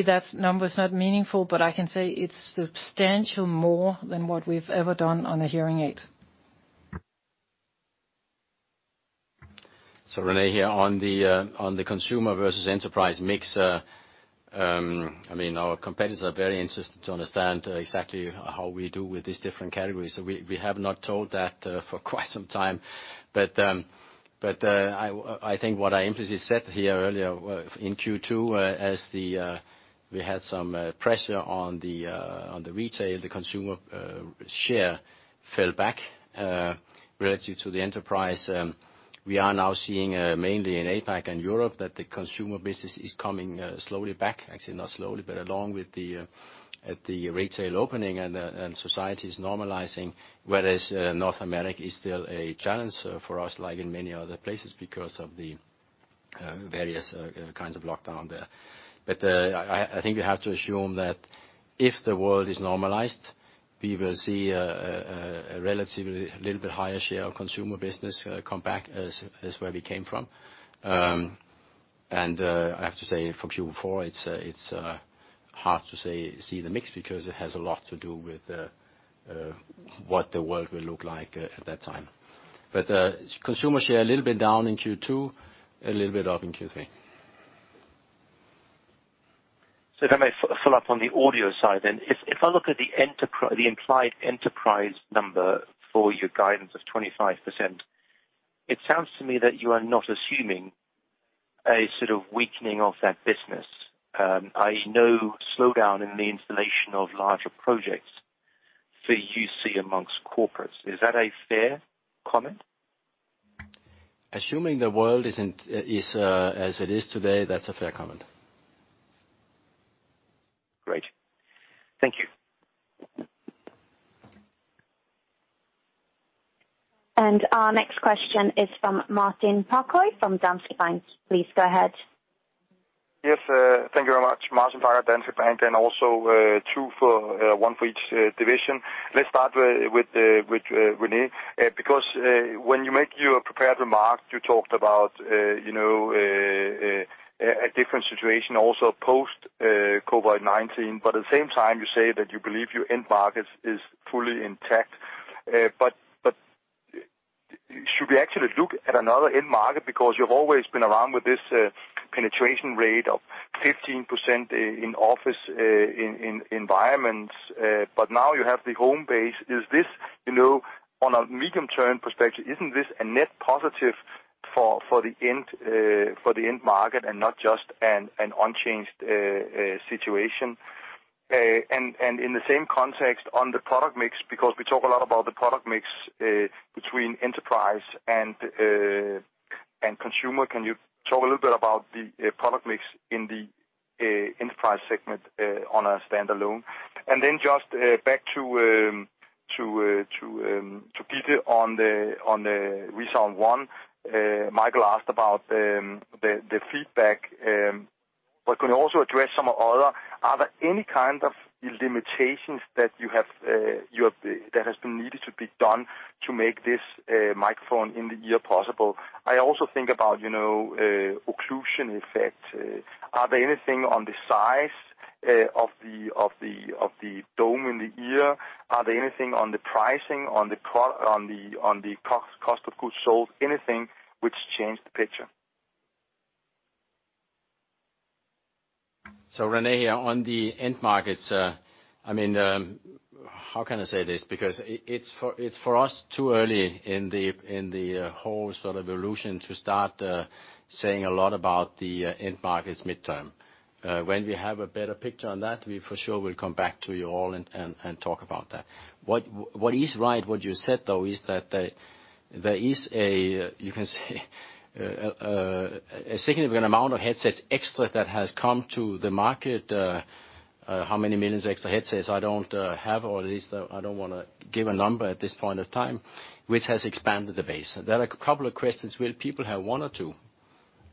that number is not meaningful, but I can say it's substantial more than what we've ever done on the hearing aid. So, René, here on the consumer versus enterprise mix. I mean, our competitors are very interested to understand exactly how we do with these different categories. So we have not told that for quite some time. But I think what I implicitly said here earlier in Q2, as we had some pressure on the retail, the consumer share fell back relative to the enterprise. We are now seeing mainly in APAC and Europe that the consumer business is coming slowly back, actually not slowly, but along with the retail opening and society is normalizing, whereas North America is still a challenge for us, like in many other places because of the various kinds of lockdown there. But I think we have to assume that if the world is normalized, we will see a relatively little bit higher share of consumer business come back as where we came from. And I have to say, from Q4, it's hard to see the mix because it has a lot to do with what the world will look like at that time. But consumer share a little bit down in Q2, a little bit up in Q3. So if I may follow up on the audio side then, if I look at the implied enterprise number for your guidance of 25%, it sounds to me that you are not assuming a sort of weakening of that business, i.e., no slowdown in the installation of larger projects for UC amongst corporates. Is that a fair comment? Assuming the world is as it is today, that's a fair comment. Great. Thank you. Our next question is from Martin Parkhøi from Danske Bank. Please go ahead. Yes. Thank you very much, Martin Parkhøi at Danske Bank and also one for each division. Let's start with René because when you make your prepared remark, you talked about a different situation also post-COVID-19. But at the same time, you say that you believe your end market is fully intact. But should we actually look at another end market because you've always been around with this penetration rate of 15% in office environments, but now you have the home base? On a medium-term perspective, isn't this a net positive for the end market and not just an unchanged situation? And in the same context on the product mix, because we talk a lot about the product mix between enterprise and consumer, can you talk a little bit about the product mix in the enterprise segment on a standalone? And then just back to Gitte on ReSound ONE. Michael asked about the feedback, but can you also address some other? Are there any kind of limitations that have been needed to be done to make this microphone in the ear possible? I also think about occlusion effect. Are there anything on the size of the dome in the ear? Are there anything on the pricing, on the cost of goods sold, anything which changed the picture? So, René, here on the end markets, I mean, how can I say this? Because it's for us too early in the whole sort of evolution to start saying a lot about the end markets midterm. When we have a better picture on that, we for sure will come back to you all and talk about that. What is right, what you said though, is that there is a, you can say, a significant amount of headsets extra that has come to the market. How many millions of extra headsets? I don't have all these. I don't want to give a number at this point of time, which has expanded the base. There are a couple of questions. Will people have one or two?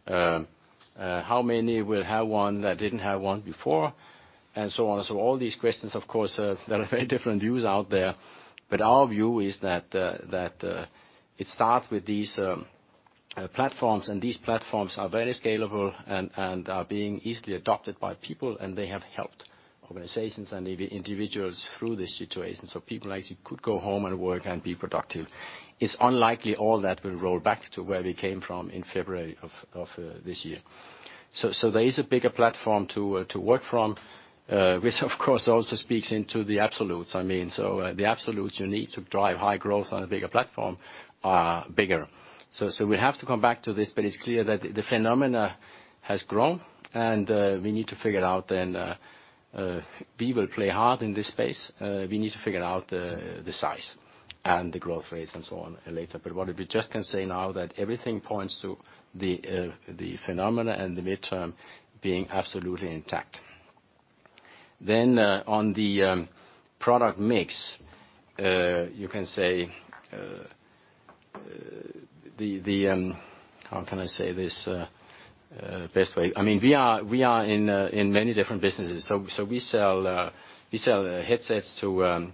How many will have one that didn't have one before? And so on. So all these questions, of course, there are very different views out there. But our view is that it starts with these platforms, and these platforms are very scalable and are being easily adopted by people, and they have helped organizations and individuals through this situation. So people actually could go home and work and be productive. It's unlikely all that will roll back to where we came from in February of this year. So there is a bigger platform to work from, which of course also speaks into the absolutes. I mean, so the absolutes you need to drive high growth on a bigger platform are bigger. So we have to come back to this, but it's clear that the phenomena has grown, and we need to figure out, then we will play hard in this space. We need to figure out the size and the growth rates and so on later. But what we just can say now is that everything points to the phenomena and the midterm being absolutely intact. Then on the product mix, you can say how can I say this best way? I mean, we are in many different businesses. So we sell headsets to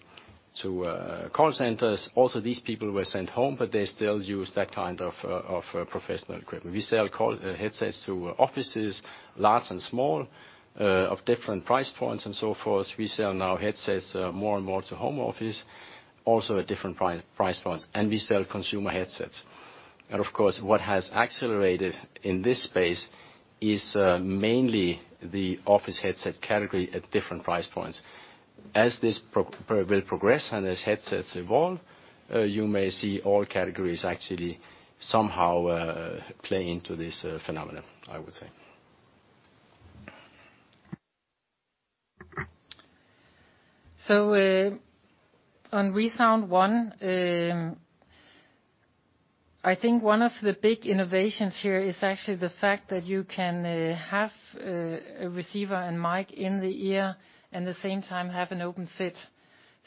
call centers. Also, these people were sent home, but they still use that kind of professional equipment. We sell headsets to offices, large and small, of different price points and so forth. We sell now headsets more and more to home office, also at different price points. And we sell consumer headsets. And of course, what has accelerated in this space is mainly the office headset category at different price points. As this will progress and as headsets evolve, you may see all categories actually somehow play into this phenomenon, I would say. ReSound ONE, I think one of the big innovations here is actually the fact that you can have a receiver and mic in the ear and at the same time have an open fit.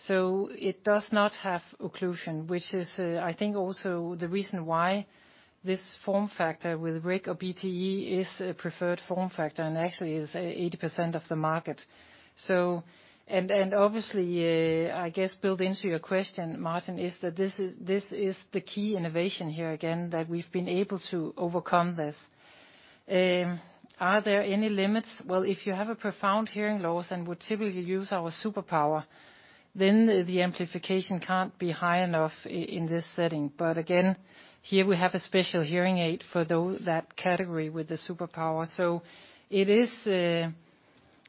It does not have occlusion, which is, I think, also the reason why this form factor with RIC or BTE is a preferred form factor and actually is 80% of the market. Obviously, I guess built into your question, Martin, is that this is the key innovation here again that we've been able to overcome this. Are there any limits? Well, if you have a profound hearing loss and would typically use our Super Power, then the amplification can't be high enough in this setting. But again, here we have a special hearing aid for that category with the Super Power. It is,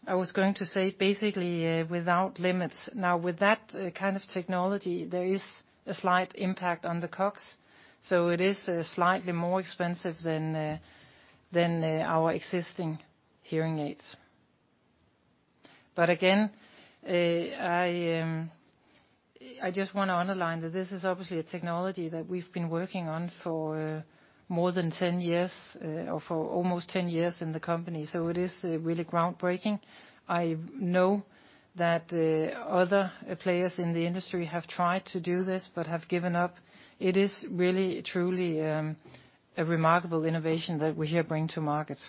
I was going to say, basically without limits. Now, with that kind of technology, there is a slight impact on the COGS, so it is slightly more expensive than our existing hearing aids, but again, I just want to underline that this is obviously a technology that we've been working on for more than 10 years or for almost 10 years in the company, so it is really groundbreaking. I know that other players in the industry have tried to do this but have given up. It is really, truly a remarkable innovation that we here bring to market.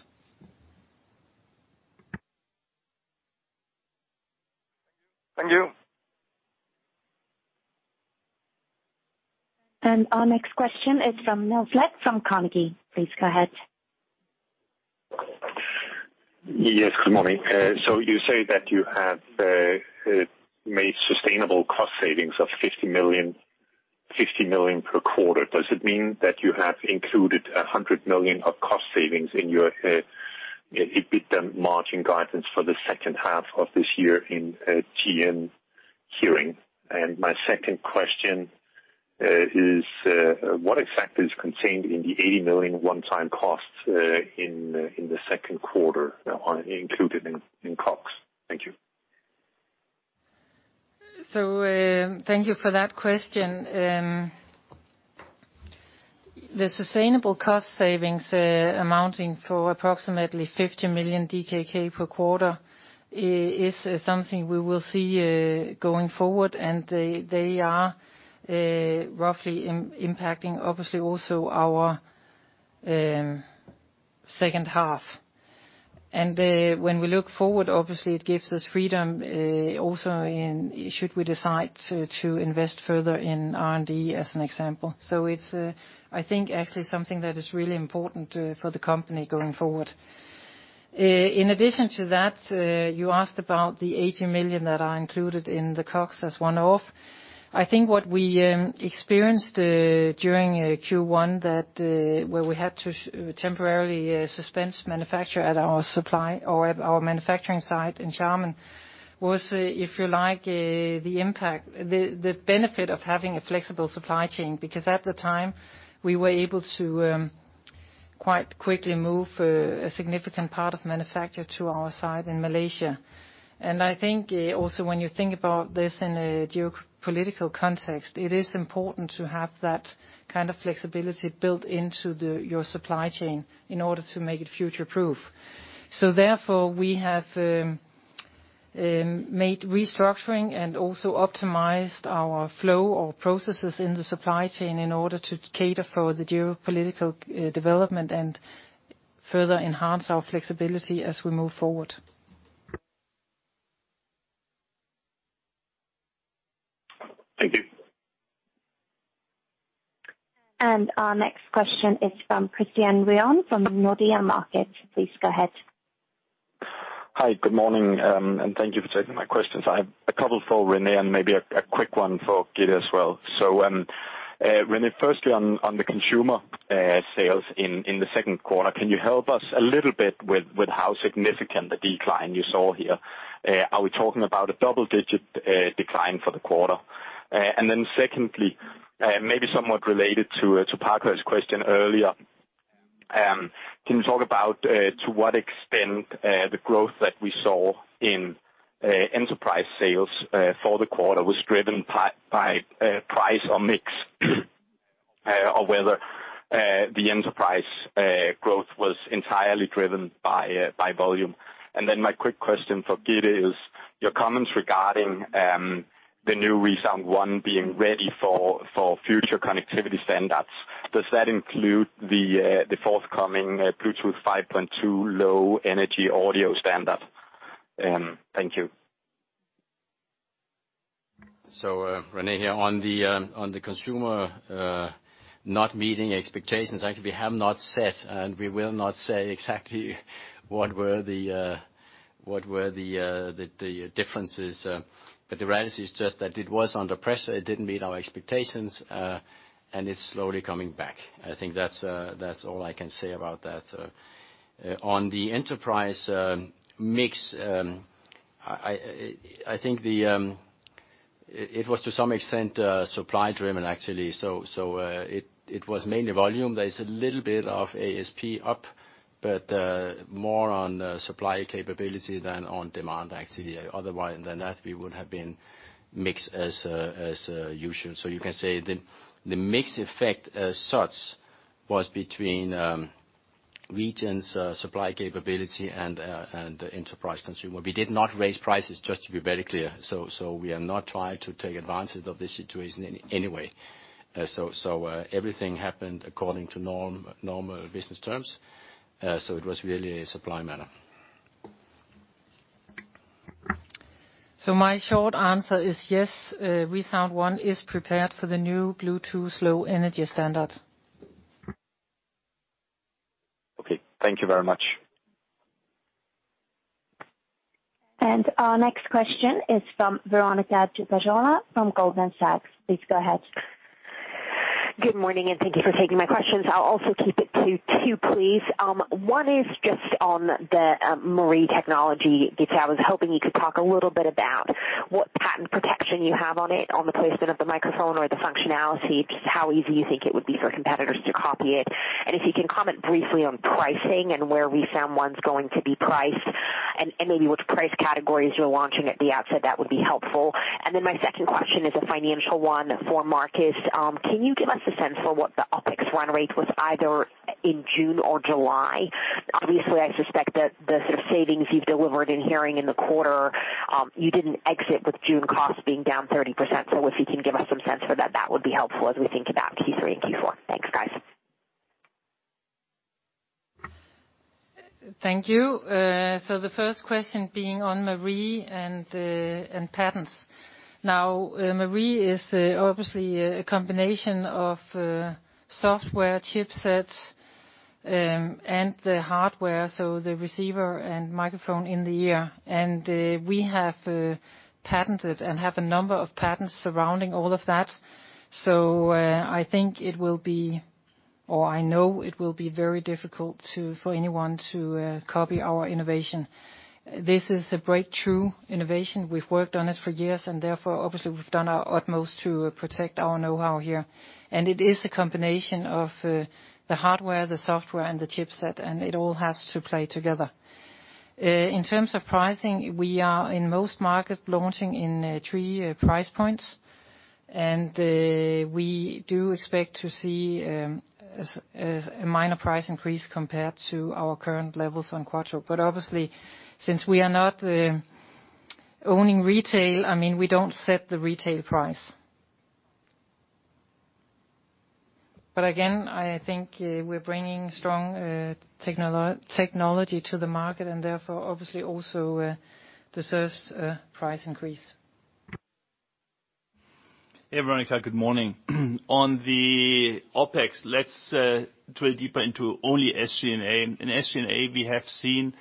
Thank you. Our next question is from Niels Granholm-Leth from Carnegie. Please go ahead. Yes, good morning. So you say that you have made sustainable cost savings of 50 million per quarter. Does it mean that you have included 100 million of cost savings in your EBITDA margin guidance for the second half of this year in GN Hearing? And my second question is, what exactly is contained in the 80 million one-time costs in the Q2 included in COGS? Thank you. Thank you for that question. The sustainable cost savings amounting to approximately 50 million DKK per quarter is something we will see going forward, and they are roughly impacting obviously also our second half. And when we look forward, obviously it gives us freedom also should we decide to invest further in R&D as an example. So it's, I think, actually something that is really important for the company going forward. In addition to that, you asked about the 80 million DKK that are included in the COGS as one-off. I think what we experienced during Q1 where we had to temporarily suspend manufacture at our supply or at our manufacturing site in Xiamen was, if you like, the impact, the benefit of having a flexible supply chain because at the time we were able to quite quickly move a significant part of manufacture to our site in Malaysia. And I think also when you think about this in a geopolitical context, it is important to have that kind of flexibility built into your supply chain in order to make it future-proof. So therefore, we have made restructuring and also optimized our flow or processes in the supply chain in order to cater for the geopolitical development and further enhance our flexibility as we move forward. Thank you. Our next question is from Christian Ryom from Nordea Markets. Please go ahead. Hi, good morning. And thank you for taking my questions. I have a couple for René and maybe a quick one for Gitte as well. So René, firstly on the consumer sales in the Q2, can you help us a little bit with how significant the decline you saw here? Are we talking about a double-digit decline for the quarter? And then secondly, maybe somewhat related to Parkhøi's question earlier, can you talk about to what extent the growth that we saw in enterprise sales for the quarter was driven by price or mix or whether the enterprise growth was entirely driven by volume? And then my quick question for Gitte is your comments regarding the new ReSound ONE being ready for future connectivity standards. Does that include the forthcoming Bluetooth 5.2 low-energy audio standard? Thank you. So, René, here on the consumer not meeting expectations, actually we have not said, and we will not say exactly what were the differences. But the reality is just that it was under pressure. It didn't meet our expectations, and it's slowly coming back. I think that's all I can say about that. On the enterprise mix, I think it was to some extent supply-driven, actually. So it was mainly volume. There is a little bit of ASP up, but more on supply capability than on demand, actually. Otherwise, then that we would have been mixed as usual. So you can say the mixed effect as such was between regions, supply capability, and enterprise consumer. We did not raise prices just to be very clear. So we are not trying to take advantage of this situation in any way. So everything happened according to normal business terms. It was really a supply matter. So my short answer is yes, ReSound ONE is prepared for the new Bluetooth Low Energy standard. Okay. Thank you very much. Our next question is from Veronika Dubajova from Goldman Sachs. Please go ahead. Good morning, and thank you for taking my questions. I'll also keep it to two, please. One is just on the M&RIE technology, Gitte. I was hoping you could talk a little bit about what patent protection you have on it, on the placement of the microphone or the functionality, just how easy you think it would be for competitors to copy it. And if you can comment briefly on pricing and where ReSound ONE's going to be priced and maybe which price categories you're launching at the outset, that would be helpful. And then my second question is a financial one for Marcus. Can you give us a sense for what the OPEX run rate was either in June or July? Obviously, I suspect that the sort of savings you've delivered in hearing in the quarter, you didn't exit with June costs being down 30%. So if you can give us some sense for that, that would be helpful as we think about Q3 and Q4. Thanks, guys. Thank you. So the first question being on M&RIE and patents. Now, M&RIE is obviously a combination of software, chipsets, and the hardware, so the receiver and microphone in the ear. And we have patented and have a number of patents surrounding all of that. So I think it will be, or I know it will be very difficult for anyone to copy our innovation. This is a breakthrough innovation. We've worked on it for years, and therefore, obviously, we've done our utmost to protect our know-how here. And it is a combination of the hardware, the software, and the chipset, and it all has to play together. In terms of pricing, we are in most markets launching in three price points. And we do expect to see a minor price increase compared to our current levels on quarter. But obviously, since we are not owning retail, I mean, we don't set the retail price. But again, I think we're bringing strong technology to the market, and therefore, obviously, also deserves a price increase. Hey, Veronika. Good morning. On the OpEx, let's drill deeper into only SG&A. In SG&A, we have seen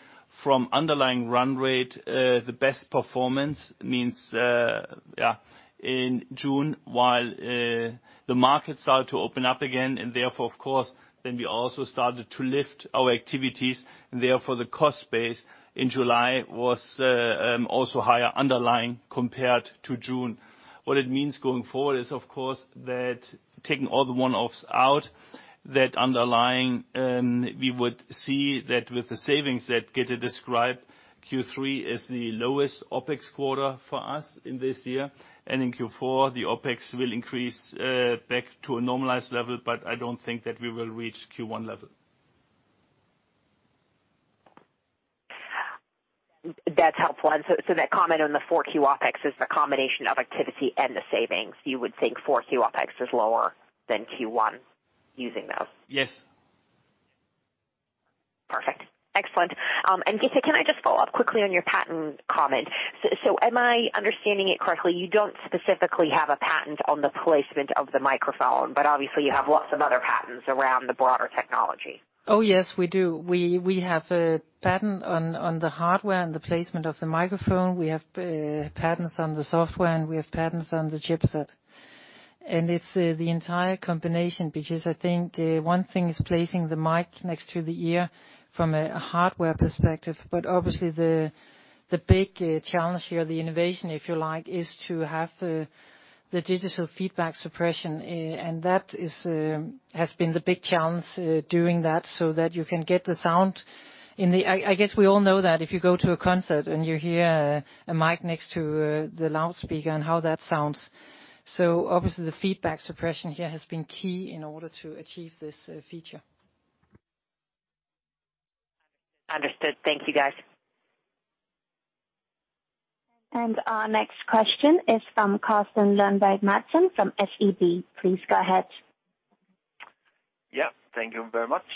from underlying run rate, the best performance means, yeah, in June, while the market started to open up again. And therefore, of course, then we also started to lift our activities. And therefore, the cost base in July was also higher underlying compared to June. What it means going forward is, of course, that taking all the one-offs out, that underlying, we would see that with the savings that Gitte described, Q3 is the lowest OpEx quarter for us in this year. And in Q4, the OpEx will increase back to a normalized level, but I don't think that we will reach Q1 level. That's helpful. So that comment on the Q4 OPEX is the combination of activity and the savings. You would think Q4 OPEX is lower than Q1 using those. Yes. Perfect. Excellent. And Gitte, can I just follow up quickly on your patent comment? So am I understanding it correctly? You don't specifically have a patent on the placement of the microphone, but obviously, you have lots of other patents around the broader technology. Oh, yes, we do. We have a patent on the hardware and the placement of the microphone. We have patents on the software, and we have patents on the chipset. And it's the entire combination because I think one thing is placing the mic next to the ear from a hardware perspective, but obviously, the big challenge here, the innovation, if you like, is to have the digital feedback suppression. And that has been the big challenge during that so that you can get the sound in the, I guess we all know that if you go to a concert and you hear a mic next to the loudspeaker and how that sounds. So obviously, the feedback suppression here has been key in order to achieve this feature. Understood. Thank you, guys. And our next question is from Carsten Lønborg Madsen from SEB. Please go ahead. Yep. Thank you very much.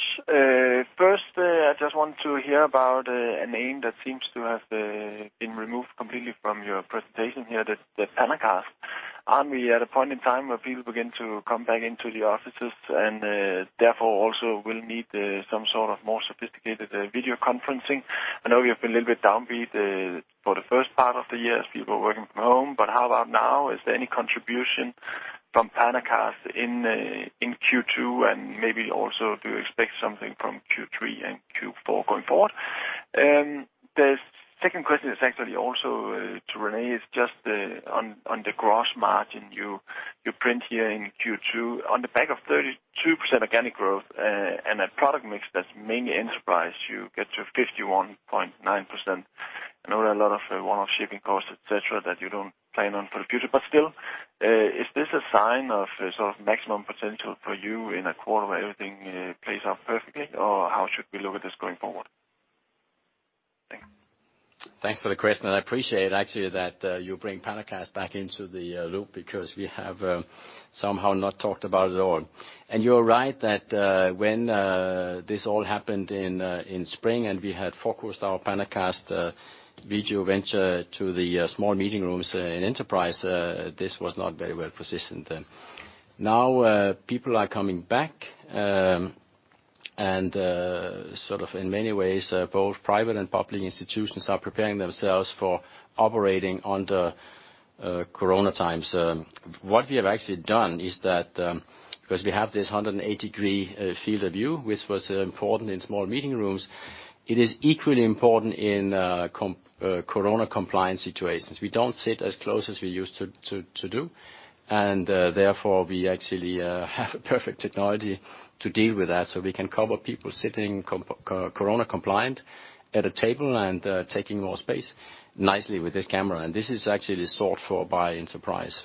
First, I just want to hear about a name that seems to have been removed completely from your presentation here, the PanaCast. Aren't we at a point in time where people begin to come back into the offices and therefore also will need some sort of more sophisticated video conferencing? I know we have been a little bit downbeat for the first part of the year as people were working from home, but how about now? Is there any contribution from PanaCast in Q2 and maybe also do you expect something from Q3 and Q4 going forward? The second question is actually also to René, is just on the gross margin you print here in Q2. On the back of 32% organic growth and a product mix that's mainly enterprise, you get to 51.9%. I know there are a lot of one-off shipping costs, etc., that you don't plan on for the future. But still, is this a sign of sort of maximum potential for you in a quarter where everything plays out perfectly, or how should we look at this going forward? Thanks. Thanks for the question. And I appreciate actually that you bring PanaCast back into the loop because we have somehow not talked about it at all. And you're right that when this all happened in spring and we had focused our PanaCast video venture to the small meeting rooms in enterprise, this was not very well positioned. Now, people are coming back, and sort of in many ways, both private and public institutions are preparing themselves for operating under corona times. What we have actually done is that because we have this 180-degree field of view, which was important in small meeting rooms, it is equally important in corona-compliant situations. We don't sit as close as we used to do, and therefore, we actually have a perfect technology to deal with that so we can cover people sitting corona-compliant at a table and taking more space nicely with this camera. And this is actually sought for by enterprise.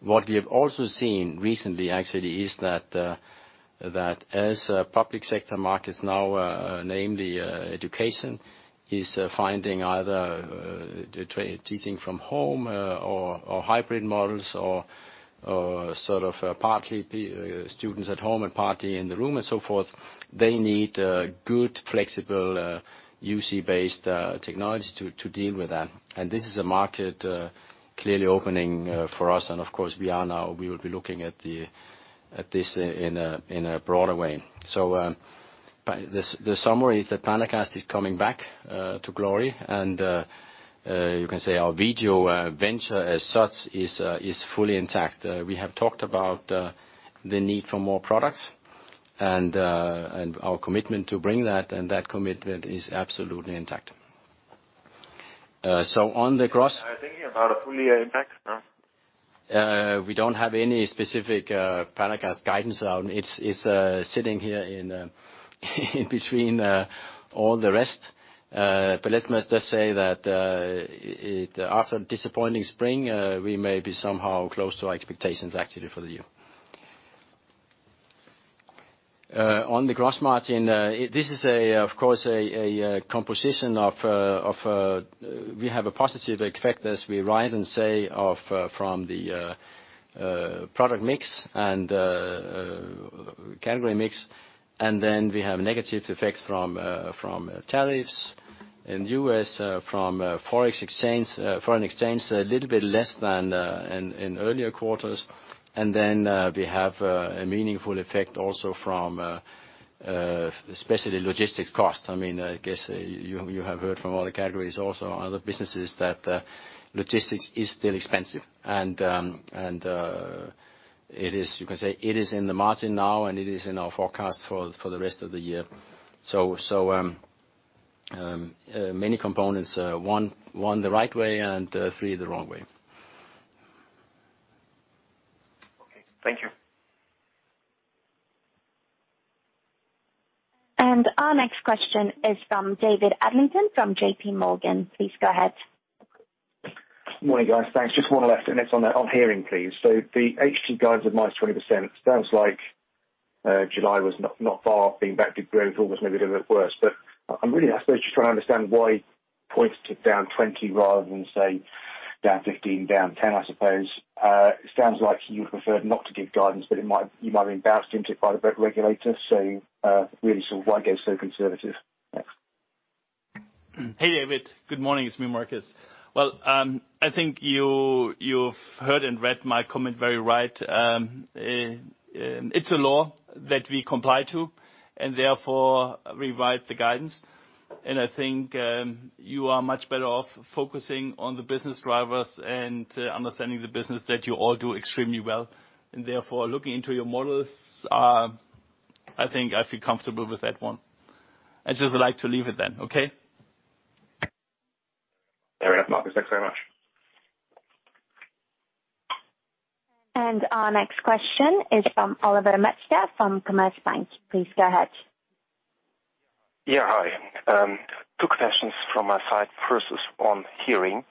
What we have also seen recently actually is that as public sector markets, now namely education, is finding either teaching from home or hybrid models or sort of partly students at home and partly in the room and so forth, they need good flexible UC-based technology to deal with that. And this is a market clearly opening for us. And of course, we are now, we will be looking at this in a broader way. So the summary is that PanaCast is coming back to glory, and you can say our video venture as such is fully intact. We have talked about the need for more products and our commitment to bring that, and that commitment is absolutely intact. So on the gross. Are you thinking about a fully intact? We don't have any specific PanaCast guidance. It's sitting here in between all the rest. But let's just say that after a disappointing spring, we may be somehow close to our expectations actually for the year. On the gross margin, this is, of course, a composition of we have a positive effect as we write and say from the product mix and category mix. And then we have negative effects from tariffs in the U.S., from foreign exchange, a little bit less than in earlier quarters. And then we have a meaningful effect also from especially logistics costs. I mean, I guess you have heard from all the categories also on other businesses that logistics is still expensive. And you can say it is in the margin now, and it is in our forecast for the rest of the year. So many components, one the right way and three the wrong way. Okay. Thank you. Our next question is from David Adlington from JPMorgan. Please go ahead. Morning, guys. Thanks. Just one last thing. Next on the hearing, please. So the HT guidance of minus 20% sounds like July was not far from being back to growth. August may be a little bit worse. But I'm really, I suppose, just trying to understand why points to down 20% rather than, say, down 15%, down 10%, I suppose. It sounds like you would prefer not to give guidance, but you might have been bounced into it by the regulator. So really, why go so conservative? Hey, David. Good morning. It's me, Marcus, well, I think you've heard and read my comment very right. It's a law that we comply to, and therefore, we write the guidance, and I think you are much better off focusing on the business drivers and understanding the business that you all do extremely well, and therefore looking into your models, I think I feel comfortable with that one. I'd just like to leave it then. Okay? There we go. Marcus, thanks very much. Our next question is from Oliver Metzger from Commerzbank. Please go ahead. Yeah. Hi. Two questions from my side with regards to hearing.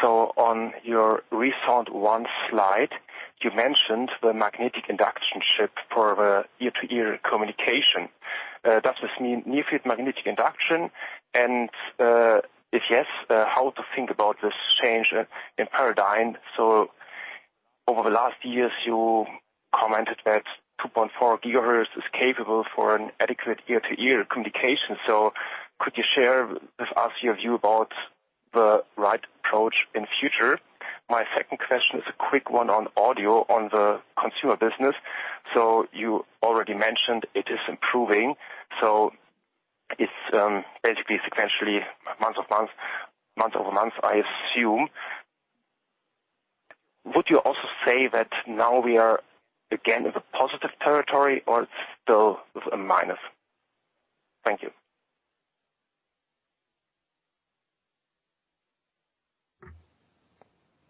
So on your ReSound ONE slide, you mentioned the magnetic induction chip for the ear-to-ear communication. Does this mean near-field magnetic induction? And if yes, how to think about this change in paradigm? So over the last years, you commented that 2.4 gigahertz is capable for an adequate ear-to-ear communication. So could you share with us your view about the right approach in the future? My second question is a quick one on audio on the consumer business. So you already mentioned it is improving. So it's basically sequentially month of month, month over month, I assume. Would you also say that now we are again in the positive territory or still a minus? Thank you.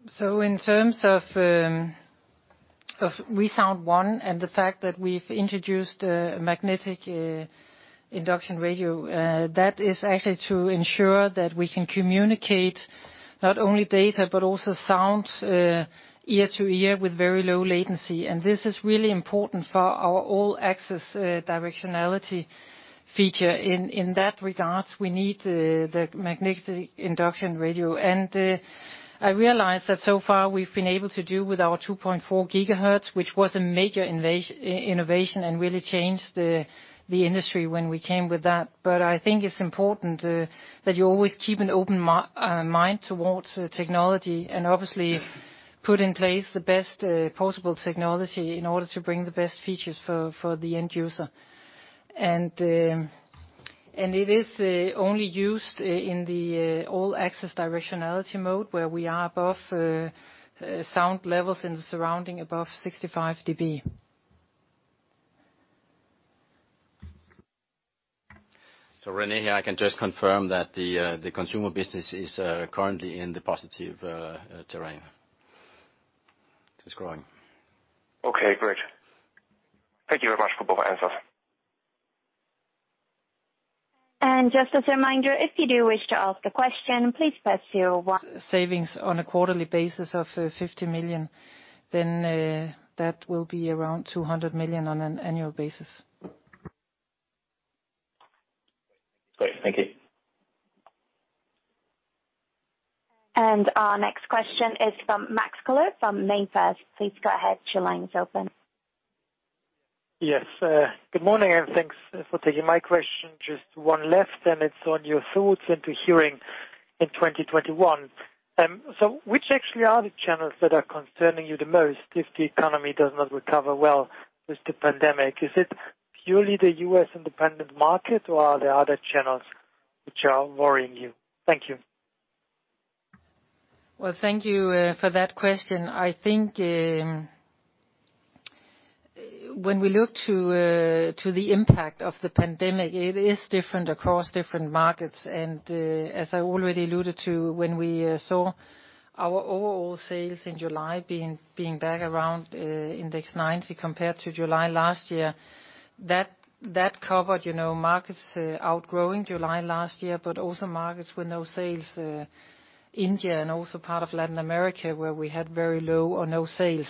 So in terms of ReSound ONE and the fact that we've introduced a Magnetic Induction Radio, that is actually to ensure that we can communicate not only data, but also sound ear-to-ear with very low latency. And this is really important for our All Access Directionality feature. In that regard, we need the Magnetic Induction Radio. And I realize that so far we've been able to do with our 2.4 gigahertz, which was a major innovation and really changed the industry when we came with that. But I think it's important that you always keep an open mind towards technology and obviously put in place the best possible technology in order to bring the best features for the end user. And it is only used in the All Access Directionality mode where we are above sound levels in the surrounding above 65 dB. So, René here, I can just confirm that the consumer business is currently in the positive territory. It's growing. Okay. Great. Thank you very much for both answers. Just as a reminder, if you do wish to ask a question, please press 0. Savings on a quarterly basis of 50 million, then that will be around 200 million on an annual basis. Great. Thank you. Our next question is from Max Collett from MainFirst. Please go ahead. Your line is open. Yes. Good morning, and thanks for taking my question. Just one left, and it's on your thoughts into hearing in 2021. So which actually are the channels that are concerning you the most if the economy does not recover well with the pandemic? Is it purely the U.S. independent market, or are there other channels which are worrying you? Thank you. Thank you for that question. I think when we look to the impact of the pandemic, it is different across different markets. And as I already alluded to, when we saw our overall sales in July being back around index 90 compared to July last year, that covered markets outgrowing July last year, but also markets with no sales, India, and also part of Latin America where we had very low or no sales.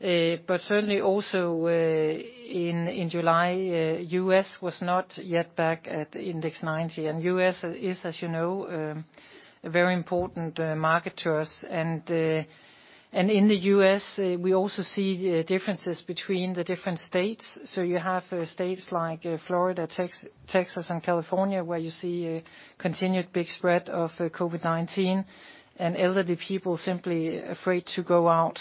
But certainly also in July, US was not yet back at index 90. And US is, as you know, a very important market to us. And in the US, we also see differences between the different states. So you have states like Florida, Texas, and California where you see continued big spread of COVID-19 and elderly people simply afraid to go out.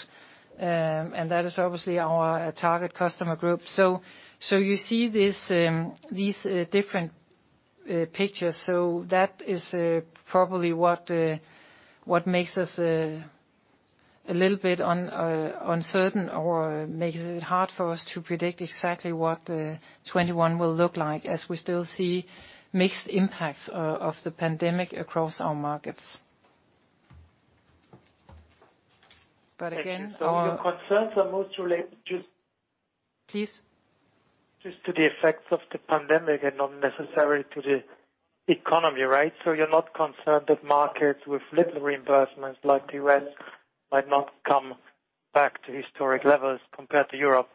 And that is obviously our target customer group. So you see these different pictures. So that is probably what makes us a little bit uncertain or makes it hard for us to predict exactly what 2021 will look like as we still see mixed impacts of the pandemic across our markets. But again. Your concerns are most related to. Please. Just to the effects of the pandemic and not necessarily to the economy, right? So you're not concerned that markets with little reimbursements like the US might not come back to historic levels compared to Europe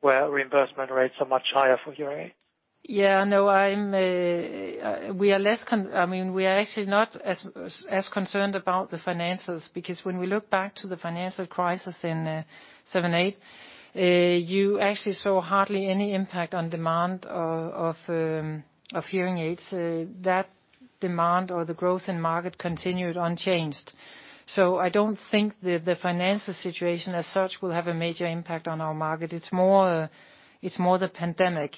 where reimbursement rates are much higher for hearing? Yeah. No, we are less. I mean, we are actually not as concerned about the financials because when we look back to the financial crisis in 1978, you actually saw hardly any impact on demand of hearing aids. That demand or the growth in market continued unchanged. So I don't think that the financial situation as such will have a major impact on our market. It's more the pandemic.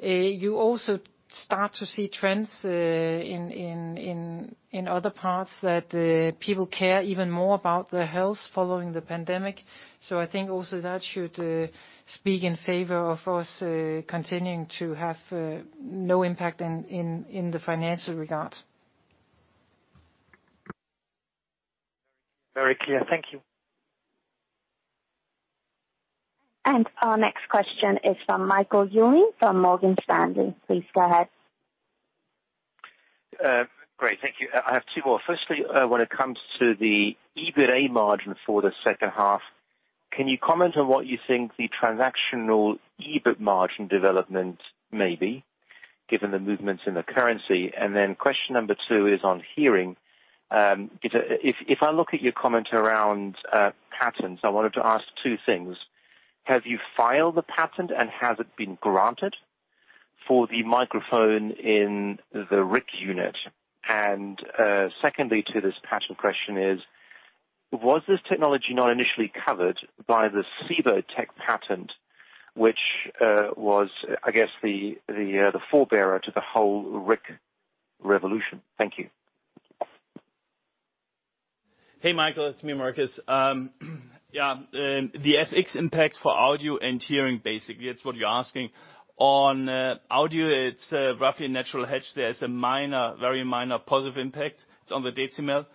You also start to see trends in other parts that people care even more about their health following the pandemic. So I think also that should speak in favor of us continuing to have no impact in the financial regard. Very clear. Thank you. And our next question is from Michael Ewing from Morgan Stanley. Please go ahead. Great. Thank you. I have two more. Firstly, when it comes to the EBITDA margin for the second half, can you comment on what you think the transactional EBIT margin development may be given the movements in the currency? And then question number two is on hearing. If I look at your comment around patents, I wanted to ask two things. Have you filed the patent, and has it been granted for the microphone in the RIC unit? And secondly to this patent question is, was this technology not initially covered by the Sebotek patent, which was, I guess, the forerunner to the whole RIC revolution? Thank you. Hey, Michael. It's me, Marcus. Yeah. The FX impact for audio and hearing, basically, it's what you're asking. On audio, it's roughly a natural hedge. There is a minor, very minor positive impact. It's on the decimal.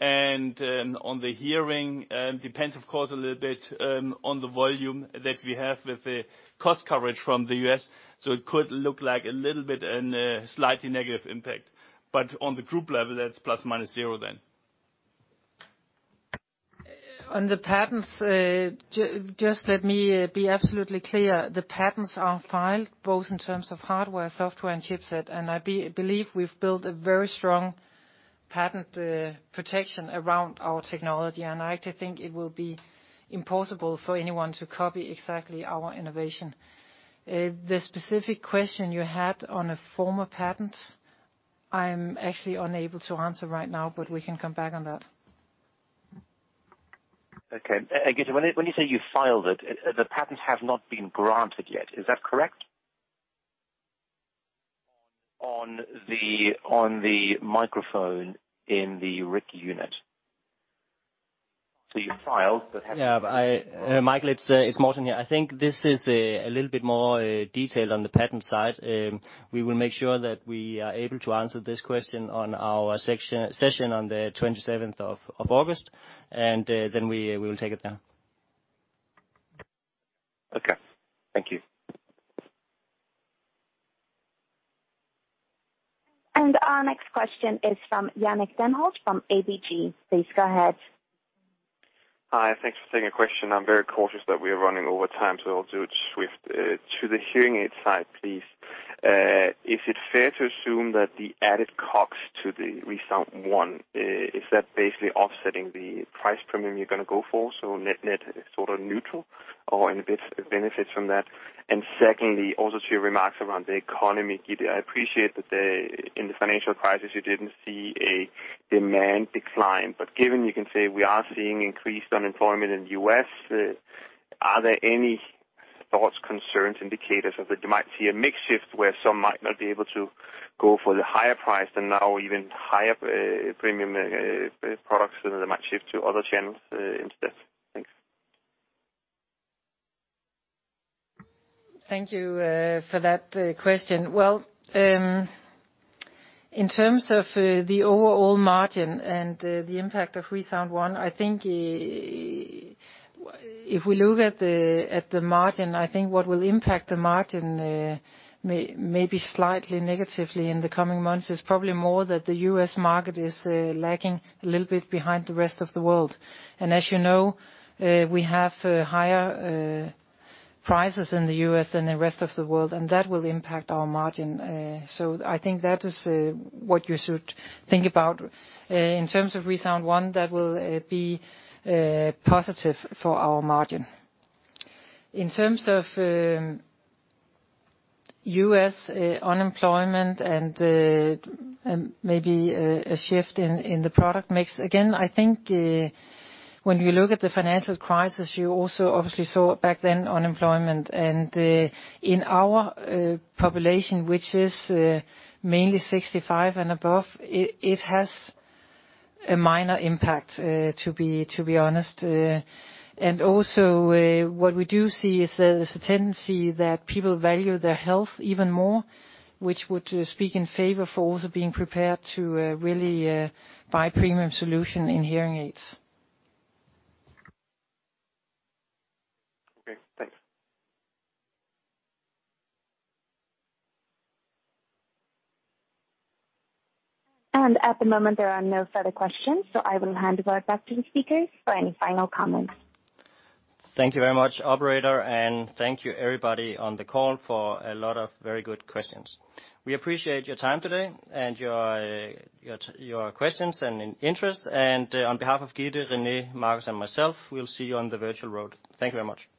And on the hearing, it depends, of course, a little bit on the volume that we have with the cost coverage from the U.S. So it could look like a little bit and slightly negative impact. But on the group level, that's plus minus zero then. On the patents, just let me be absolutely clear. The patents are filed both in terms of hardware, software, and chipset. I believe we've built a very strong patent protection around our technology. I actually think it will be impossible for anyone to copy exactly our innovation. The specific question you had on a former patent, I'm actually unable to answer right now, but we can come back on that. Okay. When you say you filed it, the patents have not been granted yet. Is that correct? On the microphone in the RIC unit. So you filed, but haven't. Yeah. Michael, it's Morten here. I think this is a little bit more detailed on the patent side. We will make sure that we are able to answer this question on our session on the 27th of August, and then we will take it there. Okay. Thank you. Our next question is from Jannick Denholt from ABG. Please go ahead. Hi. Thanks for taking the question. I'm very cautious that we are running over time, so I'll do it swiftly. To the hearing aid side, please. Is it fair to assume that the added cost to the ReSound ONE, is that basically offsetting the price premium you're going to go for? So net-net sort of neutral or in a bit of benefit from that? And secondly, also to your remarks around the economy, I appreciate that in the financial crisis, you didn't see a demand decline. But given you can say we are seeing increased unemployment in the U.S., are there any thoughts, concerns, indicators that you might see a mixed shift where some might not be able to go for the higher price than now, even higher premium products, and they might shift to other channels instead? Thanks. Thank you for that question. Well, in terms of the overall margin and the impact of ReSound ONE, I think if we look at the margin, I think what will impact the margin maybe slightly negatively in the coming months is probably more that the U.S. market is lagging a little bit behind the rest of the world. And as you know, we have higher prices in the U.S. than the rest of the world, and that will impact our margin. So I think that is what you should think about. In terms of ReSound ONE, that will be positive for our margin. In terms of U.S. unemployment and maybe a shift in the product mix, again, I think when you look at the financial crisis, you also obviously saw back then unemployment. And in our population, which is mainly 65 and above, it has a minor impact, to be honest. And also what we do see is there is a tendency that people value their health even more, which would speak in favor for also being prepared to really buy premium solutions in hearing aids. Okay. Thanks. At the moment, there are no further questions, so I will hand the word back to the speakers for any final comments. Thank you very much, operator, and thank you everybody on the call for a lot of very good questions. We appreciate your time today and your questions and interest. And on behalf of Gitte, René, Marcus, and myself, we'll see you on the virtual road. Thank you very much.